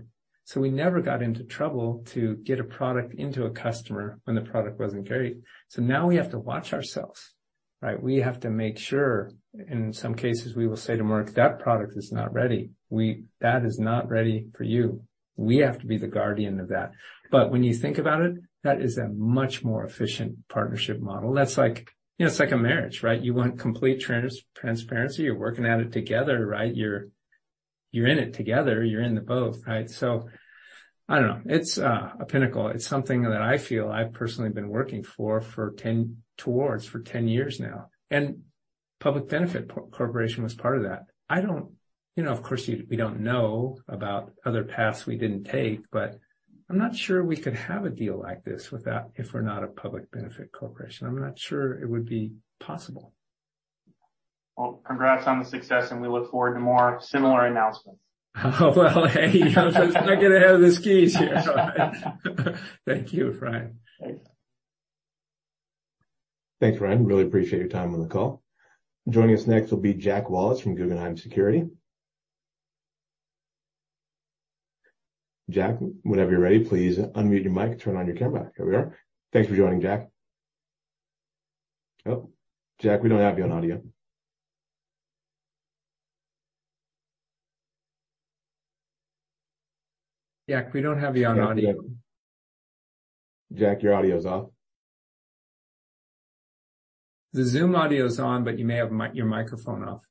We never got into trouble to get a product into a customer when the product wasn't great. Now we have to watch ourselves, right? We have to make sure in some cases we will say to Merck, "That product is not ready. That is not ready for you." We have to be the guardian of that. When you think about it, that is a much more efficient partnership model. That's like, you know, it's like a marriage, right? You want complete transparency. You're working at it together, right? You're in it together, you're in the boat, right? I don't know. It's a pinnacle. It's something that I feel I've personally been working towards for 10 years now, and Public Benefit Corporation was part of that. I don't, you know, of course, we don't know about other paths we didn't take, but I'm not sure we could have a deal like this if we're not a public benefit corporation. I'm not sure it would be possible. Well, congrats on the success, and we look forward to more similar announcements. Well, hey, let's not get ahead of the skis here. Thank you, Ryan. Thanks. Thanks, Ryan. Really appreciate your time on the call. Joining us next will be Jack Wallace from Guggenheim Securities. Jack, whenever you're ready, please unmute your mic and turn on your camera. Here we are. Thanks for joining, Jack. Oh, Jack, we don't have you on audio. Jack, we don't have you on audio. Jack, your audio is off. The Zoom audio is on, but you may have your microphone off.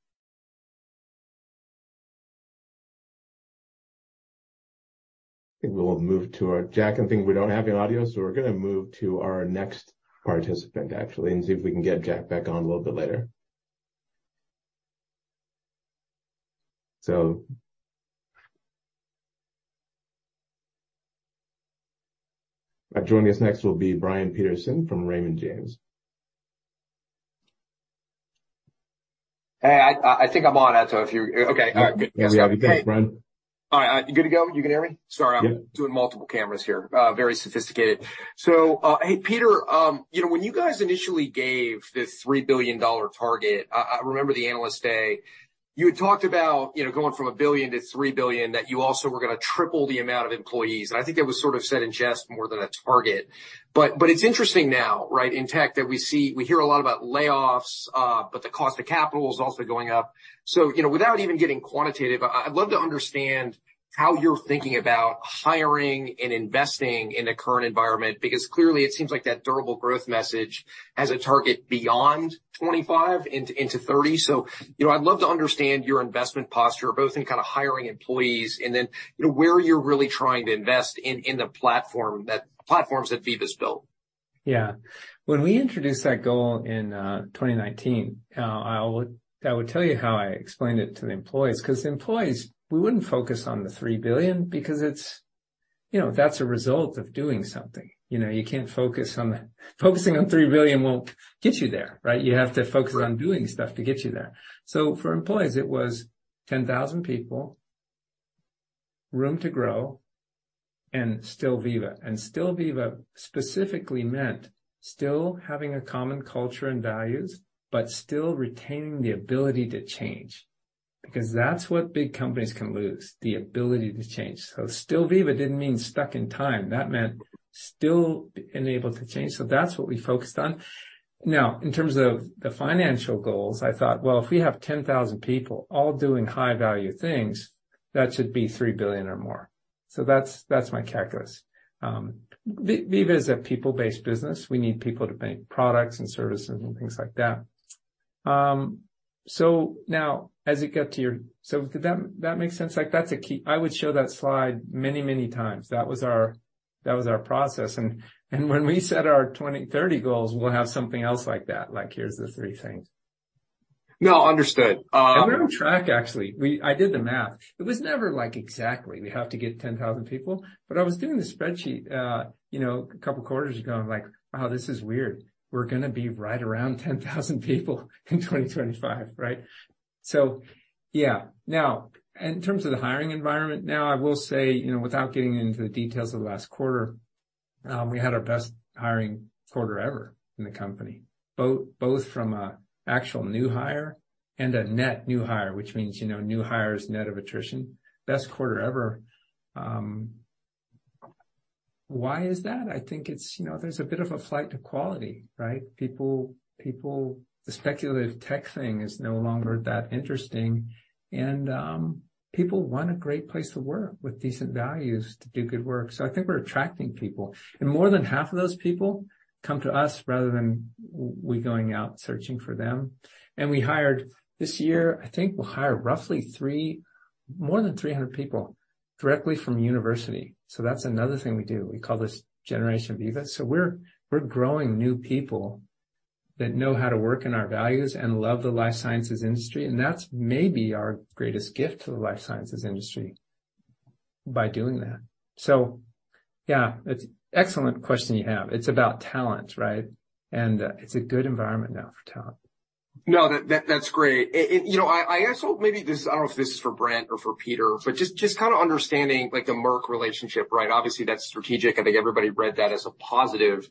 I think we'll move to Jack, I think we don't have your audio, so we're gonna move to our next participant, actually, and see if we can get Jack back on a little bit later. Joining us next will be Brian Peterson from Raymond James. Hey, I think I'm on. Okay. All right. Good. Yes, we have you. Thanks, Brian. All right. You good to go? You can hear me? Sorry. Yep. I'm doing multiple cameras here. Very sophisticated. Hey, Peter, you know, when you guys initially gave the $3 billion target, I remember the analyst day, you had talked about, you know, going from $1 billion to $3 billion, that you also were gonna triple the amount of employees. I think that was sort of said in jest more than a target. It's interesting now, right, in tech that we see we hear a lot about layoffs, but the cost of capital is also going up. You know, without even getting quantitative, I'd love to understand how you're thinking about hiring and investing in the current environment, because clearly it seems like that durable growth message has a target beyond 25% into 30%. You know, I'd love to understand your investment posture, both in kinda hiring employees and then, you know, where you're really trying to invest in the platforms that Veeva's built. Yeah. When we introduced that goal in 2019, I would tell you how I explained it to the employees, 'cause the employees, we wouldn't focus on the $3 billion because it's, you know, that's a result of doing something. You know, you can't focus on that. Focusing on $3 billion won't get you there, right? You have to focus on doing stuff to get you there. For employees, it was 10,000 people, room to grow and still Veeva. Still Veeva specifically meant still having a common culture and values, but still retaining the ability to change, because that's what big companies can lose, the ability to change. Still Veeva didn't mean stuck in time. That meant still enabled to change. That's what we focused on. Now, in terms of the financial goals, I thought, well, if we have 10,000 people all doing high-value things, that should be $3 billion or more. That's my calculus. Veeva is a people-based business. We need people to make products and services and things like that. Did that make sense? Like, that's a key. I would show that slide many, many times. That was our process. When we set our 2030 goals, we'll have something else like that, like, here's the three things. No, understood. We're on track, actually. I did the math. It was never, like, exactly, we have to get 10,000 people. But I was doing the spreadsheet, you know, a couple quarters ago, I'm like, "Wow, this is weird. We're gonna be right around 10,000 people in 2025," right? Yeah. Now, in terms of the hiring environment now, I will say, you know, without getting into the details of last quarter, we had our best hiring quarter ever in the company, both from a actual new hire and a net new hire, which means, you know, new hires net of attrition. Best quarter ever. Why is that? I think it's, you know, there's a bit of a flight to quality, right? People. The speculative tech thing is no longer that interesting. People want a great place to work with decent values to do good work. I think we're attracting people. More than half of those people come to us rather than we going out searching for them. We hired, this year, I think we'll hire roughly more than 300 people directly from university. That's another thing we do. We call this Generation Veeva. We're growing new people that know how to work in our values and love the life sciences industry, and that's maybe our greatest gift to the life sciences industry by doing that. Yeah, it's excellent question you have. It's about talent, right? It's a good environment now for talent. No, that's great. You know, I guess maybe this, I don't know if this is for Brent or for Peter, but just kinda understanding, like, the Merck relationship, right? Obviously, that's strategic. I think everybody read that as a positive.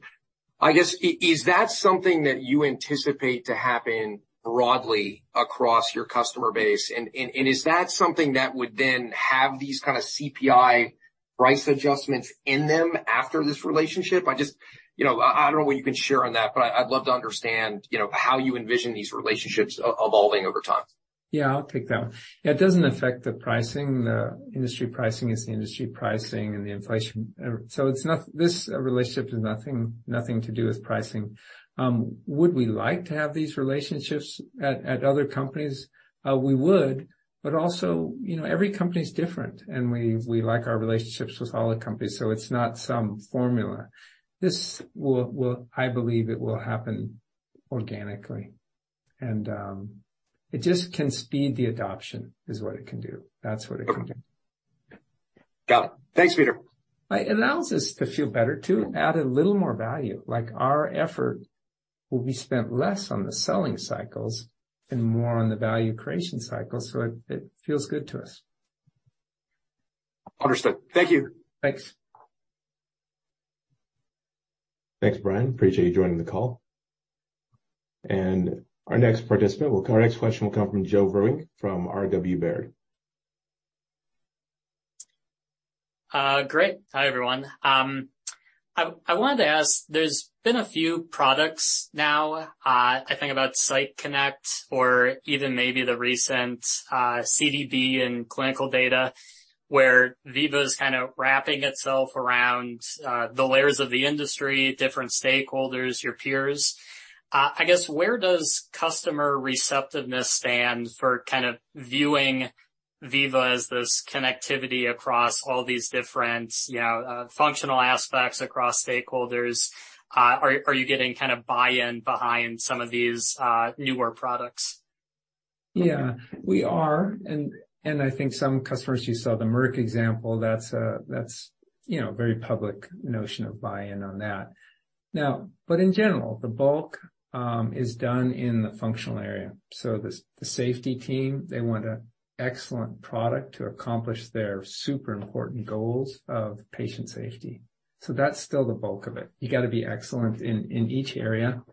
I guess, is that something that you anticipate to happen broadly across your customer base? And is that something that would then have these kinda CPI price adjustments in them after this relationship? I just, you know, I don't know what you can share on that, but I'd love to understand, you know, how you envision these relationships evolving over time. Yeah, I'll take that one. It doesn't affect the pricing. The industry pricing is the industry pricing and the inflation. This relationship has nothing to do with pricing. Would we like to have these relationships at other companies? We would, but also, you know, every company is different and we like our relationships with all the companies, so it's not some formula. I believe it will happen organically. It just can speed the adoption, is what it can do. That's what it can do. Got it. Thanks, Peter. It allows us to feel better too, add a little more value. Like our effort will be spent less on the selling cycles and more on the value creation cycle, so it feels good to us. Understood. Thank you. Thanks. Thanks, Brian. Appreciate you joining the call. Our next question will come from Joe Vruwink from Baird. Great. Hi, everyone. I wanted to ask, there's been a few products now, I think about Site Connect or even maybe the recent CDB and clinical data, where Veeva is kind of wrapping itself around the layers of the industry, different stakeholders, your peers. I guess, where does customer receptiveness stand for kind of viewing Veeva as this connectivity across all these different, you know, functional aspects across stakeholders? Are you getting kind of buy-in behind some of these newer products? Yeah, we are. I think some customers, you saw the Merck example, that's, you know, very public notion of buy-in on that. In general, the bulk is done in the functional area. The safety team, they want an excellent product to accomplish their super important goals of patient safety. That's still the bulk of it. You got to be excellent in each area.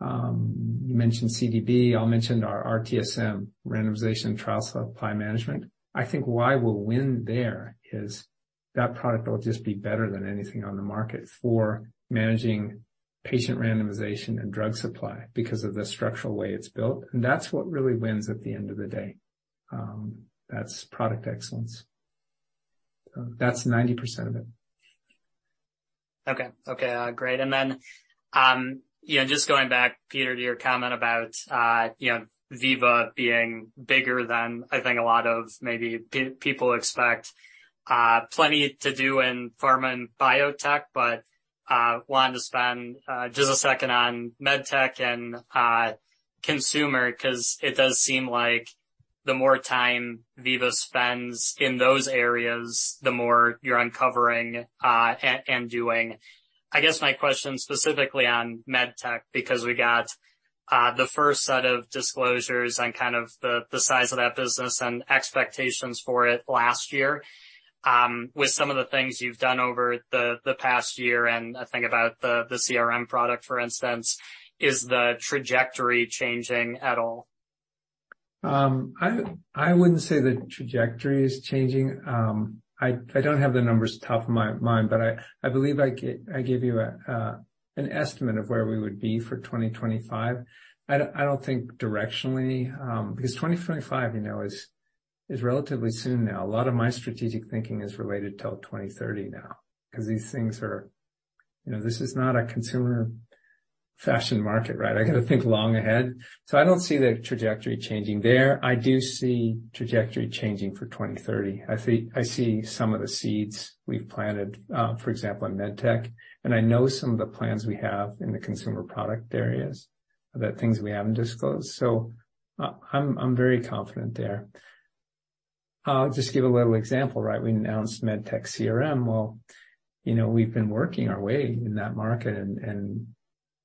You mentioned CDB, I'll mention our RTSM, Randomization Trial Supply Management. I think why we'll win there is that product will just be better than anything on the market for managing patient randomization and drug supply because of the structural way it's built. That's what really wins at the end of the day. That's product excellence. That's 90% of it. Okay. Great. You know, just going back, Peter, to your comment about, you know, Veeva being bigger than I think a lot of maybe people expect, plenty to do in pharma and biotech, but wanted to spend just a second on MedTech and consumer, 'cause it does seem like the more time Veeva spends in those areas, the more you're uncovering and doing. I guess my question specifically on MedTech, because we got the first set of disclosures on kind of the size of that business and expectations for it last year. With some of the things you've done over the past year, and I think about the CRM product, for instance, is the trajectory changing at all? I wouldn't say the trajectory is changing. I don't have the numbers top of my mind, but I believe I gave you an estimate of where we would be for 2025. I don't think directionally, because 2025, you know, is relatively soon now. A lot of my strategic thinking is related to 2030 now because these things are. You know, this is not a consumer fashion market, right? I got to think long ahead. I don't see the trajectory changing there. I do see trajectory changing for 2030. I see some of the seeds we've planted, for example, in MedTech, and I know some of the plans we have in the consumer product areas about things we haven't disclosed. I'm very confident there. I'll just give a little example, right? We announced MedTech CRM. Well, you know, we've been working our way in that market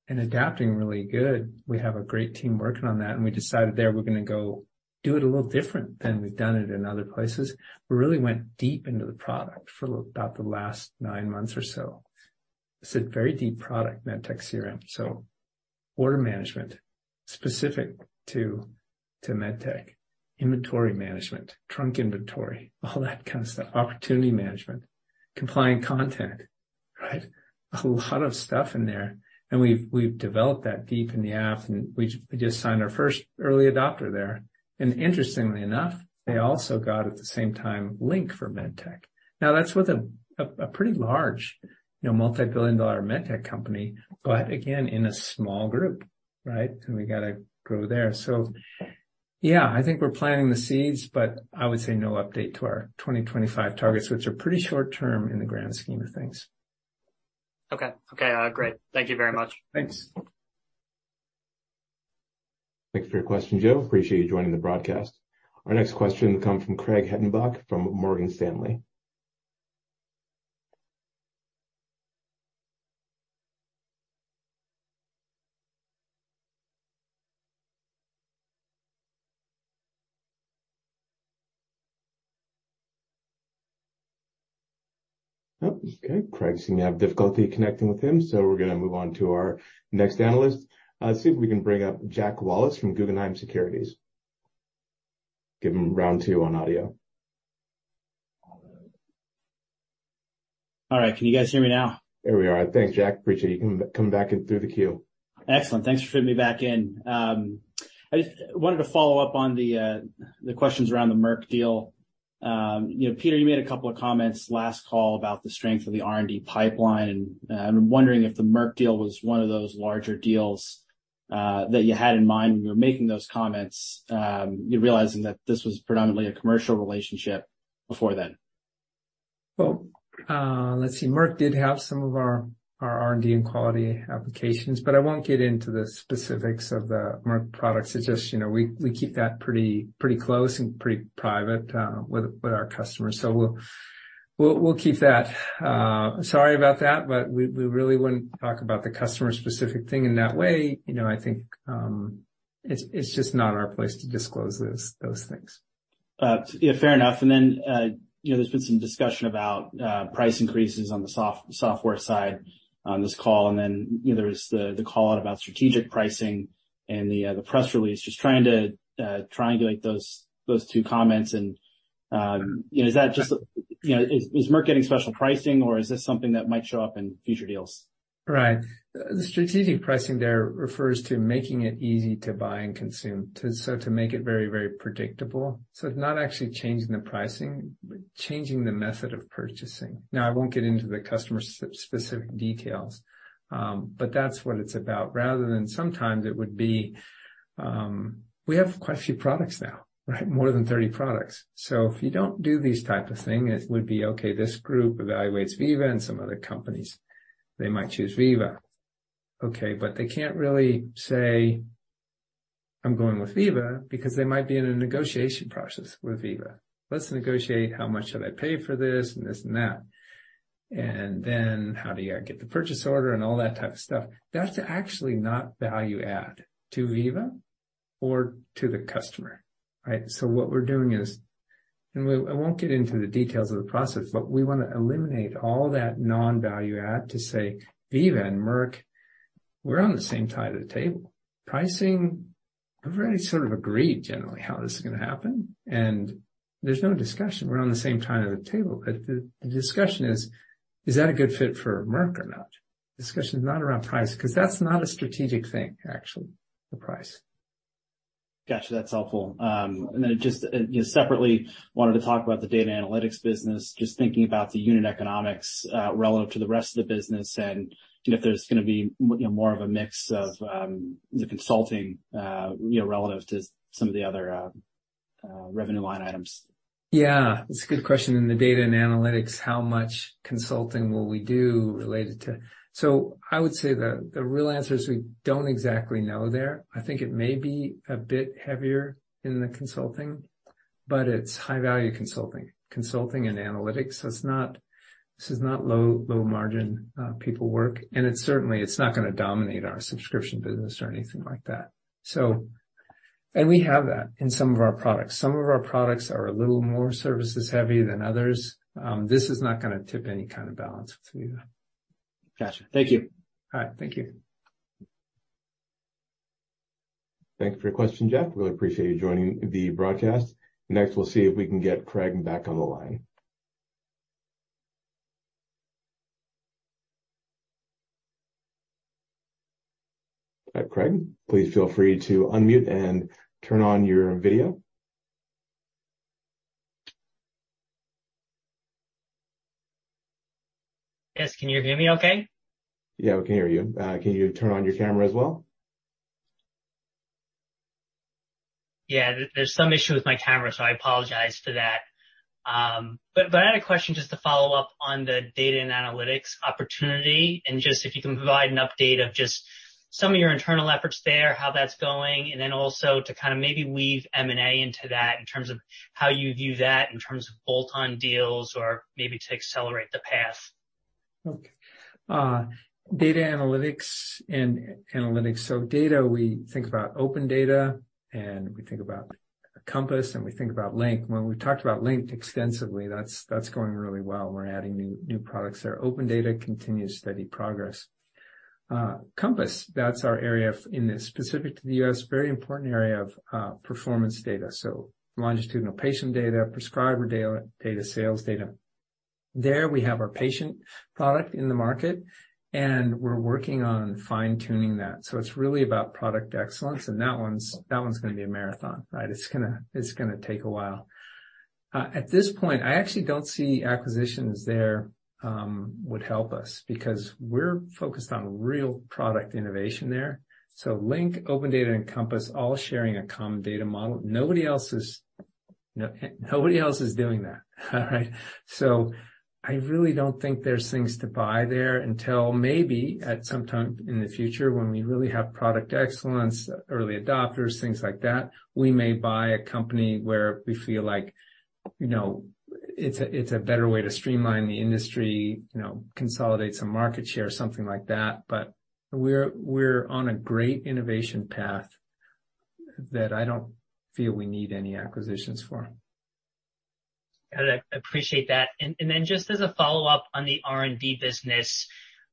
and adapting really good. We have a great team working on that, and we decided there we're gonna go do it a little different than we've done it in other places. We really went deep into the product for about the last nine months or so. It's a very deep product, MedTech CRM. So order management specific to medtech, inventory management, trunk inventory, all that kind of stuff. Opportunity management, compliant content, right? A lot of stuff in there. We've developed that deep in the app, and we just signed our first early adopter there. Interestingly enough, they also got, at the same time, Link for MedTech. Now, that's with a pretty large, you know, multi-billion-dollar MedTech company, but again, in a small group, right? We gotta grow there. Yeah, I think we're planting the seeds, but I would say no update to our 2025 targets, which are pretty short-term in the grand scheme of things. Okay. Great. Thank you very much. Thanks. Thanks for your question, Joe. Appreciate you joining the broadcast. Our next question will come from Craig Hettenbach from Morgan Stanley. Oh, okay. Craig seem to have difficulty connecting with him, so we're gonna move on to our next analyst. Let's see if we can bring up Jack Wallace from Guggenheim Securities. Give him round two on audio. All right. Can you guys hear me now? There we are. Thanks, Jack. Appreciate you coming back in through the queue. Excellent. Thanks for fitting me back in. I just wanted to follow up on the questions around the Merck deal. You know, Peter, you made a couple of comments last call about the strength of the R&D pipeline. I'm wondering if the Merck deal was one of those larger deals that you had in mind when you were making those comments, you know, realizing that this was predominantly a commercial relationship before then. Well, let's see. Merck did have some of our R&D and quality applications, but I won't get into the specifics of the Merck products. It's just, you know, we keep that pretty close and pretty private with our customers. We'll keep that. Sorry about that, but we really wouldn't talk about the customer-specific thing in that way. You know, I think, it's just not our place to disclose those things. Yeah, fair enough. You know, there's been some discussion about price increases on the software side on this call. You know, there's the call out about strategic pricing and the press release. Just trying to triangulate those two comments and you know, is that just Merck getting special pricing or is this something that might show up in future deals? Right. The strategic pricing there refers to making it easy to buy and consume, so to make it very, very predictable. It's not actually changing the pricing, but changing the method of purchasing. Now, I won't get into the customer specific details, but that's what it's about. Rather than sometimes it would be, we have quite a few products now, right? More than 30 products. If you don't do these type of thing, it would be, okay, this group evaluates Veeva and some other companies. They might choose Veeva. Okay, but they can't really say, "I'm going with Veeva," because they might be in a negotiation process with Veeva. Let's negotiate how much should I pay for this and this and that. Then how do you get the purchase order and all that type of stuff. That's actually not value-add to Veeva or to the customer, right? What we're doing is I won't get into the details of the process, but we wanna eliminate all that non-value-add to say, "Veeva and Merck, we're on the same side of the table. Pricing, we've already sort of agreed generally how this is gonna happen. There's no discussion. We're on the same side of the table." The discussion is that a good fit for Merck or not? Discussion is not around price because that's not a strategic thing, actually, the price. Gotcha. That's helpful. Then just, you know, separately wanted to talk about the data analytics business, just thinking about the unit economics, relevant to the rest of the business and if there's gonna be more of a mix of, you know, the consulting, you know, relative to some of the other revenue line items. Yeah. It's a good question. In the data and analytics, how much consulting will we do related to. I would say the real answer is we don't exactly know there. I think it may be a bit heavier in the consulting, but it's high-value consulting. Consulting and analytics. This is not low-margin people work. It's certainly not gonna dominate our subscription business or anything like that. We have that in some of our products. Some of our products are a little more services-heavy than others. This is not gonna tip any kind of balance with Veeva. Gotcha. Thank you. All right. Thank you. Thank you for your question, Jack. Really appreciate you joining the broadcast. Next, we'll see if we can get Craig back on the line. All right, Craig, please feel free to unmute and turn on your video. Yes. Can you hear me okay? Yeah, we can hear you. Can you turn on your camera as well? Yeah. There's some issue with my camera, so I apologize for that. But I had a question just to follow up on the data and analytics opportunity and just if you can provide an update of just some of your internal efforts there, how that's going, and then also to kinda maybe weave M&A into that in terms of how you view that in terms of bolt-on deals or maybe to accelerate the path. Okay. Data analytics and analytics. Data, we think about OpenData, and we think about Compass, and we think about Link. When we've talked about Link extensively, that's going really well. We're adding new products there. OpenData continues steady progress. Compass, that's our area specific to the U.S., very important area of performance data. Longitudinal patient data, prescriber data, sales data. There, we have our patient product in the market, and we're working on fine-tuning that. It's really about product excellence, and that one's gonna be a marathon, right? It's gonna take a while. At this point, I actually don't see acquisitions there would help us because we're focused on real product innovation there. Link, OpenData, and Compass all sharing a common data model. Nobody else is doing that. All right? I really don't think there's things to buy there until maybe at some time in the future when we really have product excellence, early adopters, things like that. We may buy a company where we feel like, you know, it's a better way to streamline the industry, you know, consolidate some market share, something like that. We're on a great innovation path that I don't feel we need any acquisitions for. Got it. Appreciate that. Just as a follow-up on the R&D business,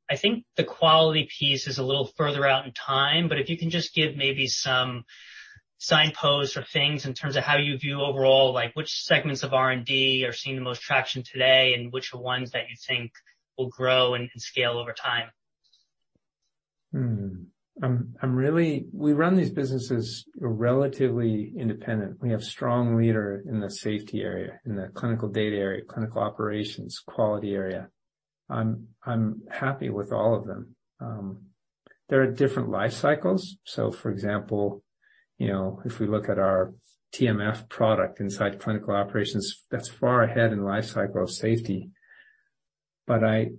I think the quality piece is a little further out in time, but if you can just give maybe some signposts or things in terms of how you view overall, like which segments of R&D are seeing the most traction today and which are ones that you think will grow and scale over time? I'm really. We run these businesses relatively independent. We have strong leader in the safety area, in the clinical data area, clinical operations, quality area. I'm happy with all of them. There are different life cycles. For example, you know, if we look at our TMF product inside clinical operations, that's far ahead in life cycle of safety. They're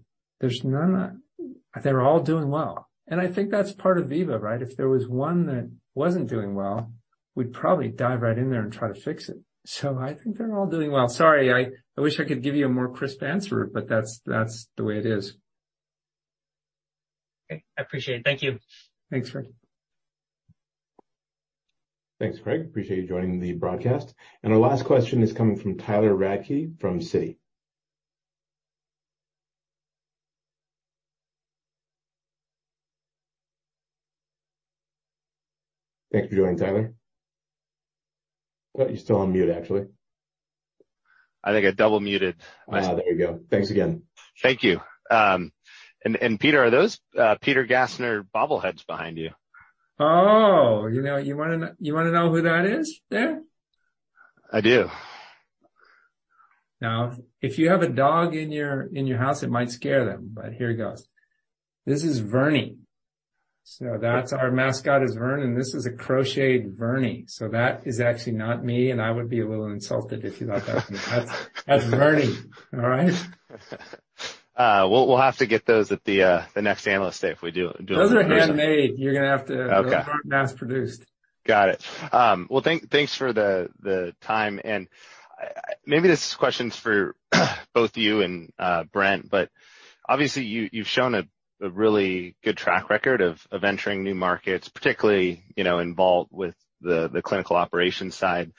all doing well, and I think that's part of Veeva, right? If there was one that wasn't doing well, we'd probably dive right in there and try to fix it. I think they're all doing well. Sorry, I wish I could give you a more crisp answer, but that's the way it is. Okay, I appreciate it. Thank you. Thanks, Craig. Thanks, Craig. Appreciate you joining the broadcast. Our last question is coming from Tyler Radke from Citi. Thank you for joining, Tyler. Oh, you're still on mute, actually. I think I double muted myself. Oh, there you go. Thanks again. Thank you. Peter, are those Peter Gassner bobbleheads behind you? Oh. You know, you wanna know who that is there? I do. Now, if you have a dog in your house, it might scare them, but here goes. This is Vern. That's our mascot is Vern, and this is a crocheted Vern. That is actually not me, and I would be a little insulted if you thought that was me. That's Vern. All right? We'll have to get those at the next analyst day if we do it in person. Those are handmade. You're gonna have to- Okay. Those aren't mass-produced. Got it. Well, thanks for the time, and maybe this question's for both you and Brent, but obviously you've shown a really good track record of entering new markets, particularly, you know, involved with the clinical operations side.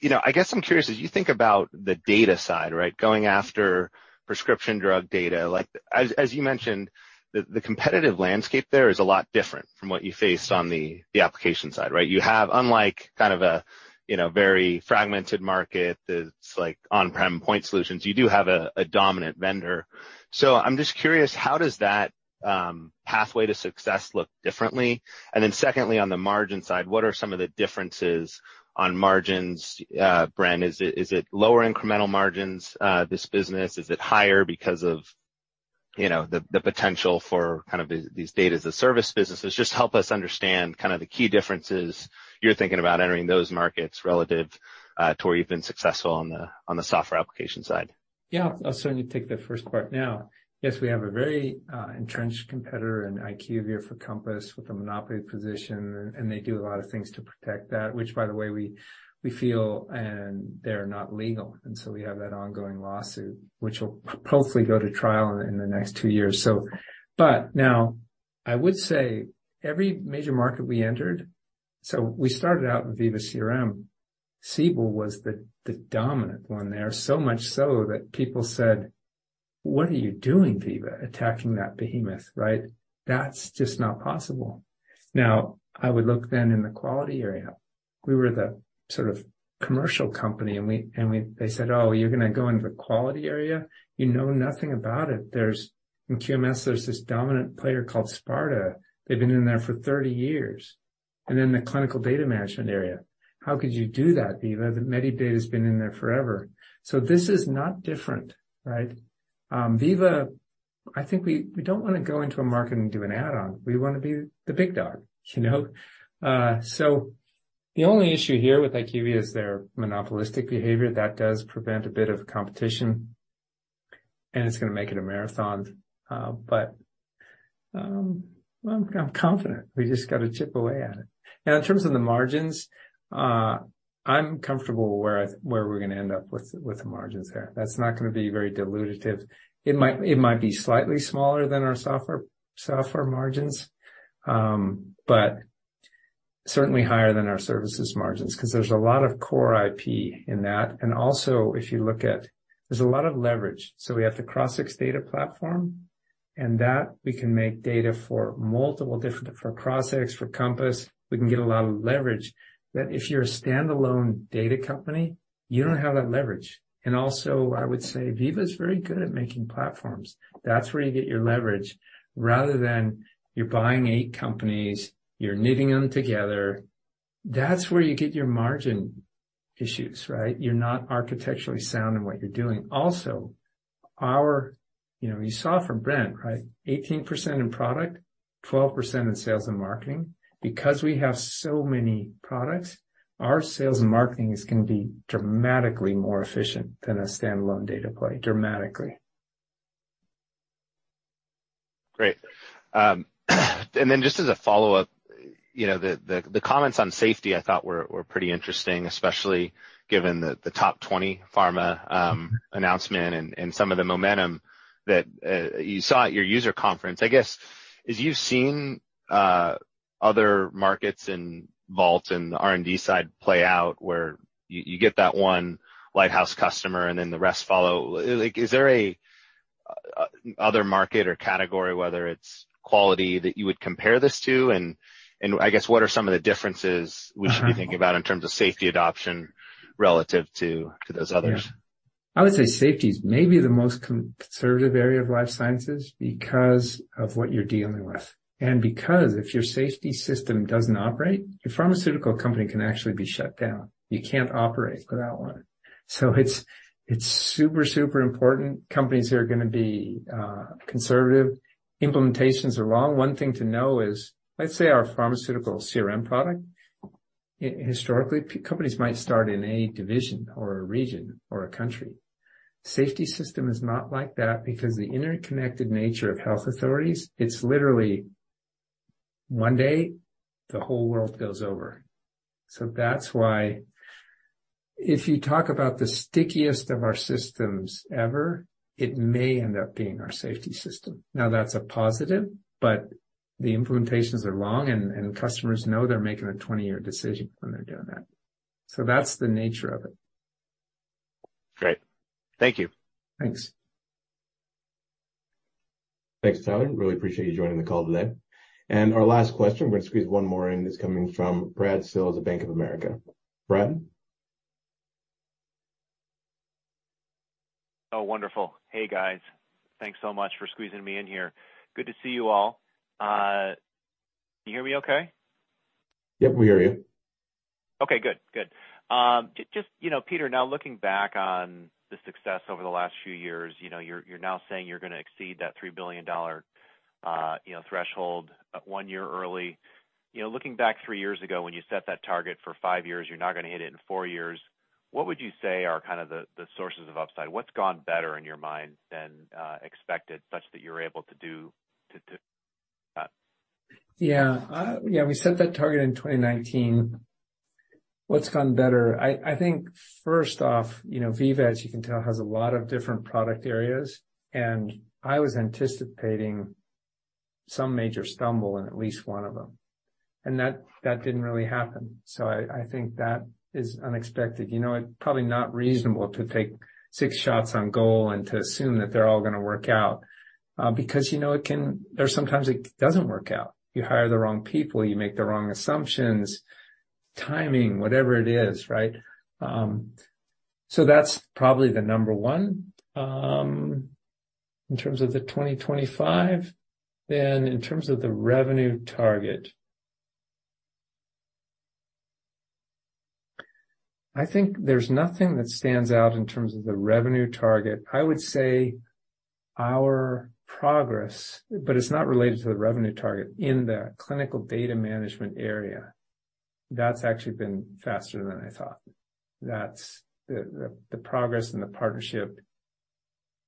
You know, I guess I'm curious, as you think about the data side, right? Going after prescription drug data, like as you mentioned, the competitive landscape there is a lot different from what you faced on the application side, right? You have, unlike kind of a, you know, very fragmented market that's like on-prem point solutions. You do have a dominant vendor. So I'm just curious, how does that pathway to success look differently? And then secondly, on the margin side, what are some of the differences on margins, Brent? Is it lower incremental margins, this business? Is it higher because of, you know, the potential for kind of these data as a service businesses? Just help us understand kind of the key differences you're thinking about entering those markets relative to where you've been successful on the software application side. Yeah. I'll certainly take the first part now. Yes, we have a very entrenched competitor in IQVIA for Compass with a monopoly position, and they do a lot of things to protect that, which by the way, we feel they're not legal. We have that ongoing lawsuit, which will hopefully go to trial in the next two years. But now I would say every major market we entered. We started out with Veeva CRM. Siebel was the dominant one there, so much so that people said, "What are you doing, Veeva, attacking that behemoth, right? That's just not possible." Now, I would look then in the quality area. We were the sort of commercial company, and they said, "Oh, you're gonna go into the quality area? You know nothing about it. In QMS, there's this dominant player called Sparta. They've been in there for 30 years." Then the clinical data management area. "How could you do that, Veeva? The Medidata's been in there forever." This is not different, right? Veeva, I think we don't wanna go into a market and do an add-on. We wanna be the big dog, you know? The only issue here with IQVIA is their monopolistic behavior. That does prevent a bit of competition, and it's gonna make it a marathon. I'm confident. We just gotta chip away at it. Now, in terms of the margins, I'm comfortable where we're gonna end up with the margins there. That's not gonna be very dilutive. It might be slightly smaller than our software margins, but certainly higher than our services margins 'cause there's a lot of core IP in that. Also, if you look at, there's a lot of leverage. We have the Crossix data platform, and that we can make data for multiple for Crossix, for Compass. We can get a lot of leverage that if you're a standalone data company, you don't have that leverage. Also, I would say Veeva is very good at making platforms. That's where you get your leverage. Rather than you're buying eight companies, you're knitting them together. That's where you get your margin issues, right? You're not architecturally sound in what you're doing. Also, you know, you saw from Brent, right? 18% in product, 12% in sales and marketing. Because we have so many products, our sales and marketing is gonna be dramatically more efficient than a standalone data play. Dramatically. Great. Then just as a follow-up, you know, the comments on safety I thought were pretty interesting, especially given the top 20 pharma announcement and some of the momentum that you saw at your user conference. I guess as you've seen, other markets in Vault and the R&D side play out where you get that one lighthouse customer and then the rest follow. Like, is there a other market or category, whether it's quality that you would compare this to? I guess what are some of the differences we should be thinking about in terms of safety adoption relative to those others? I would say safety is maybe the most conservative area of life sciences because of what you're dealing with. Because if your safety system doesn't operate, your pharmaceutical company can actually be shut down. You can't operate without one. It's super important. Companies are gonna be conservative. Implementations are long. One thing to know is, let's say our pharmaceutical CRM product, historically, companies might start in a division or a region or a country. Safety system is not like that because the interconnected nature of health authorities, it's literally one day the whole world goes over. That's why if you talk about the stickiest of our systems ever, it may end up being our safety system. Now, that's a positive, but the implementations are long and customers know they're making a 20-year decision when they're doing that. That's the nature of it. Great. Thank you. Thanks. Thanks, Tyler. Really appreciate you joining the call today. Our last question, we're gonna squeeze one more in, is coming from Brad Sills at Bank of America. Brad? Oh, wonderful. Hey, guys. Thanks so much for squeezing me in here. Good to see you all. Can you hear me okay? Yep, we hear you. Okay, good. Just, you know, Peter, now looking back on the success over the last few years, you know, you're now saying you're gonna exceed that $3 billion, you know, threshold one year early. You know, looking back three years ago, when you set that target for five years, you're now gonna hit it in four years. What would you say are kind of the sources of upside? What's gone better in your mind than expected, such that you're able to do? Yeah. Yeah, we set that target in 2019. What's gone better? I think first off, you know, Veeva, as you can tell, has a lot of different product areas, and I was anticipating some major stumble in at least one of them, and that didn't really happen. I think that is unexpected. You know, it's probably not reasonable to take six shots on goal and to assume that they're all gonna work out, because, you know, there's sometimes it doesn't work out. You hire the wrong people, you make the wrong assumptions, timing, whatever it is, right? That's probably the number one. In terms of the 2025, then in terms of the revenue target. I think there's nothing that stands out in terms of the revenue target. I would say our progress, but it's not related to the revenue target in the clinical data management area. That's actually been faster than I thought. That's the progress and the partnership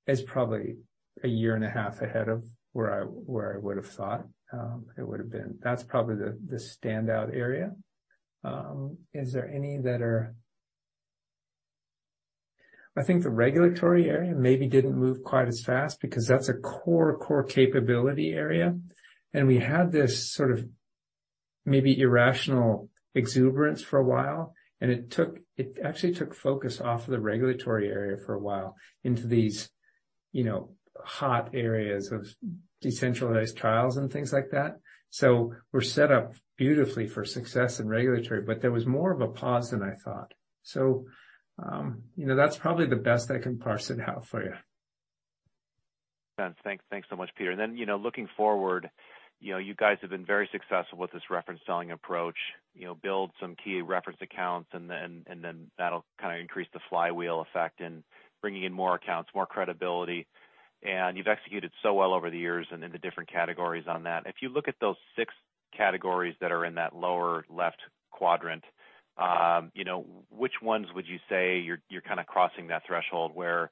is probably a year and a half ahead of where I would have thought it would've been. That's probably the standout area. I think the regulatory area maybe didn't move quite as fast because that's a core capability area, and we had this sort of maybe irrational exuberance for a while, and it actually took focus off of the regulatory area for a while into these, you know, hot areas of decentralized trials and things like that. We're set up beautifully for success in regulatory, but there was more of a pause than I thought. You know, that's probably the best I can parse it out for you. Thanks. Thanks, thanks so much, Peter. You know, looking forward, you know, you guys have been very successful with this reference selling approach. You know, build some key reference accounts and then, and then that'll kinda increase the flywheel effect and bringing in more accounts, more credibility. You've executed so well over the years and in the different categories on that. If you look at those six categories that are in that lower left quadrant, you know, which ones would you say you're kinda crossing that threshold where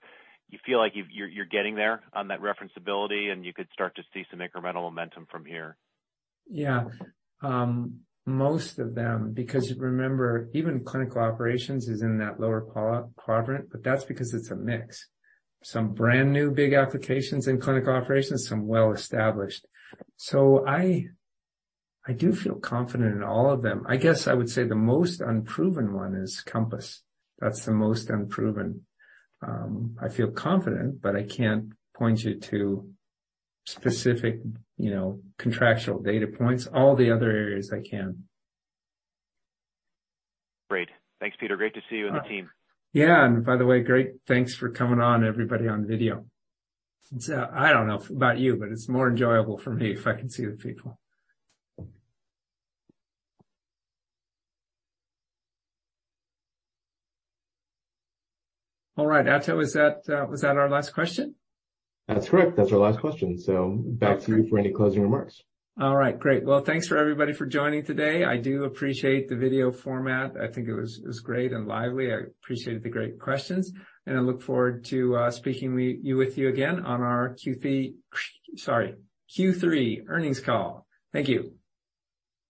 you feel like you're getting there on that reference ability and you could start to see some incremental momentum from here? Yeah. Most of them, because remember, even clinical operations is in that lower quadrant, but that's because it's a mix. Some brand new big applications in clinical operations, some well-established. I do feel confident in all of them. I guess I would say the most unproven one is Compass. That's the most unproven. I feel confident, but I can't point you to specific, you know, contractual data points. All the other areas I can. Great. Thanks, Peter. Great to see you and the team. Yeah. By the way, great thanks for coming on, everybody, on video. It's, I don't know about you, but it's more enjoyable for me if I can see the people. All right. Ato, is that, was that our last question? That's correct. That's our last question. Back to you for any closing remarks. All right. Great. Well, thanks for everybody for joining today. I do appreciate the video format. I think it was great and lively. I appreciated the great questions, and I look forward to speaking with you again on our Q3 earnings call. Thank you.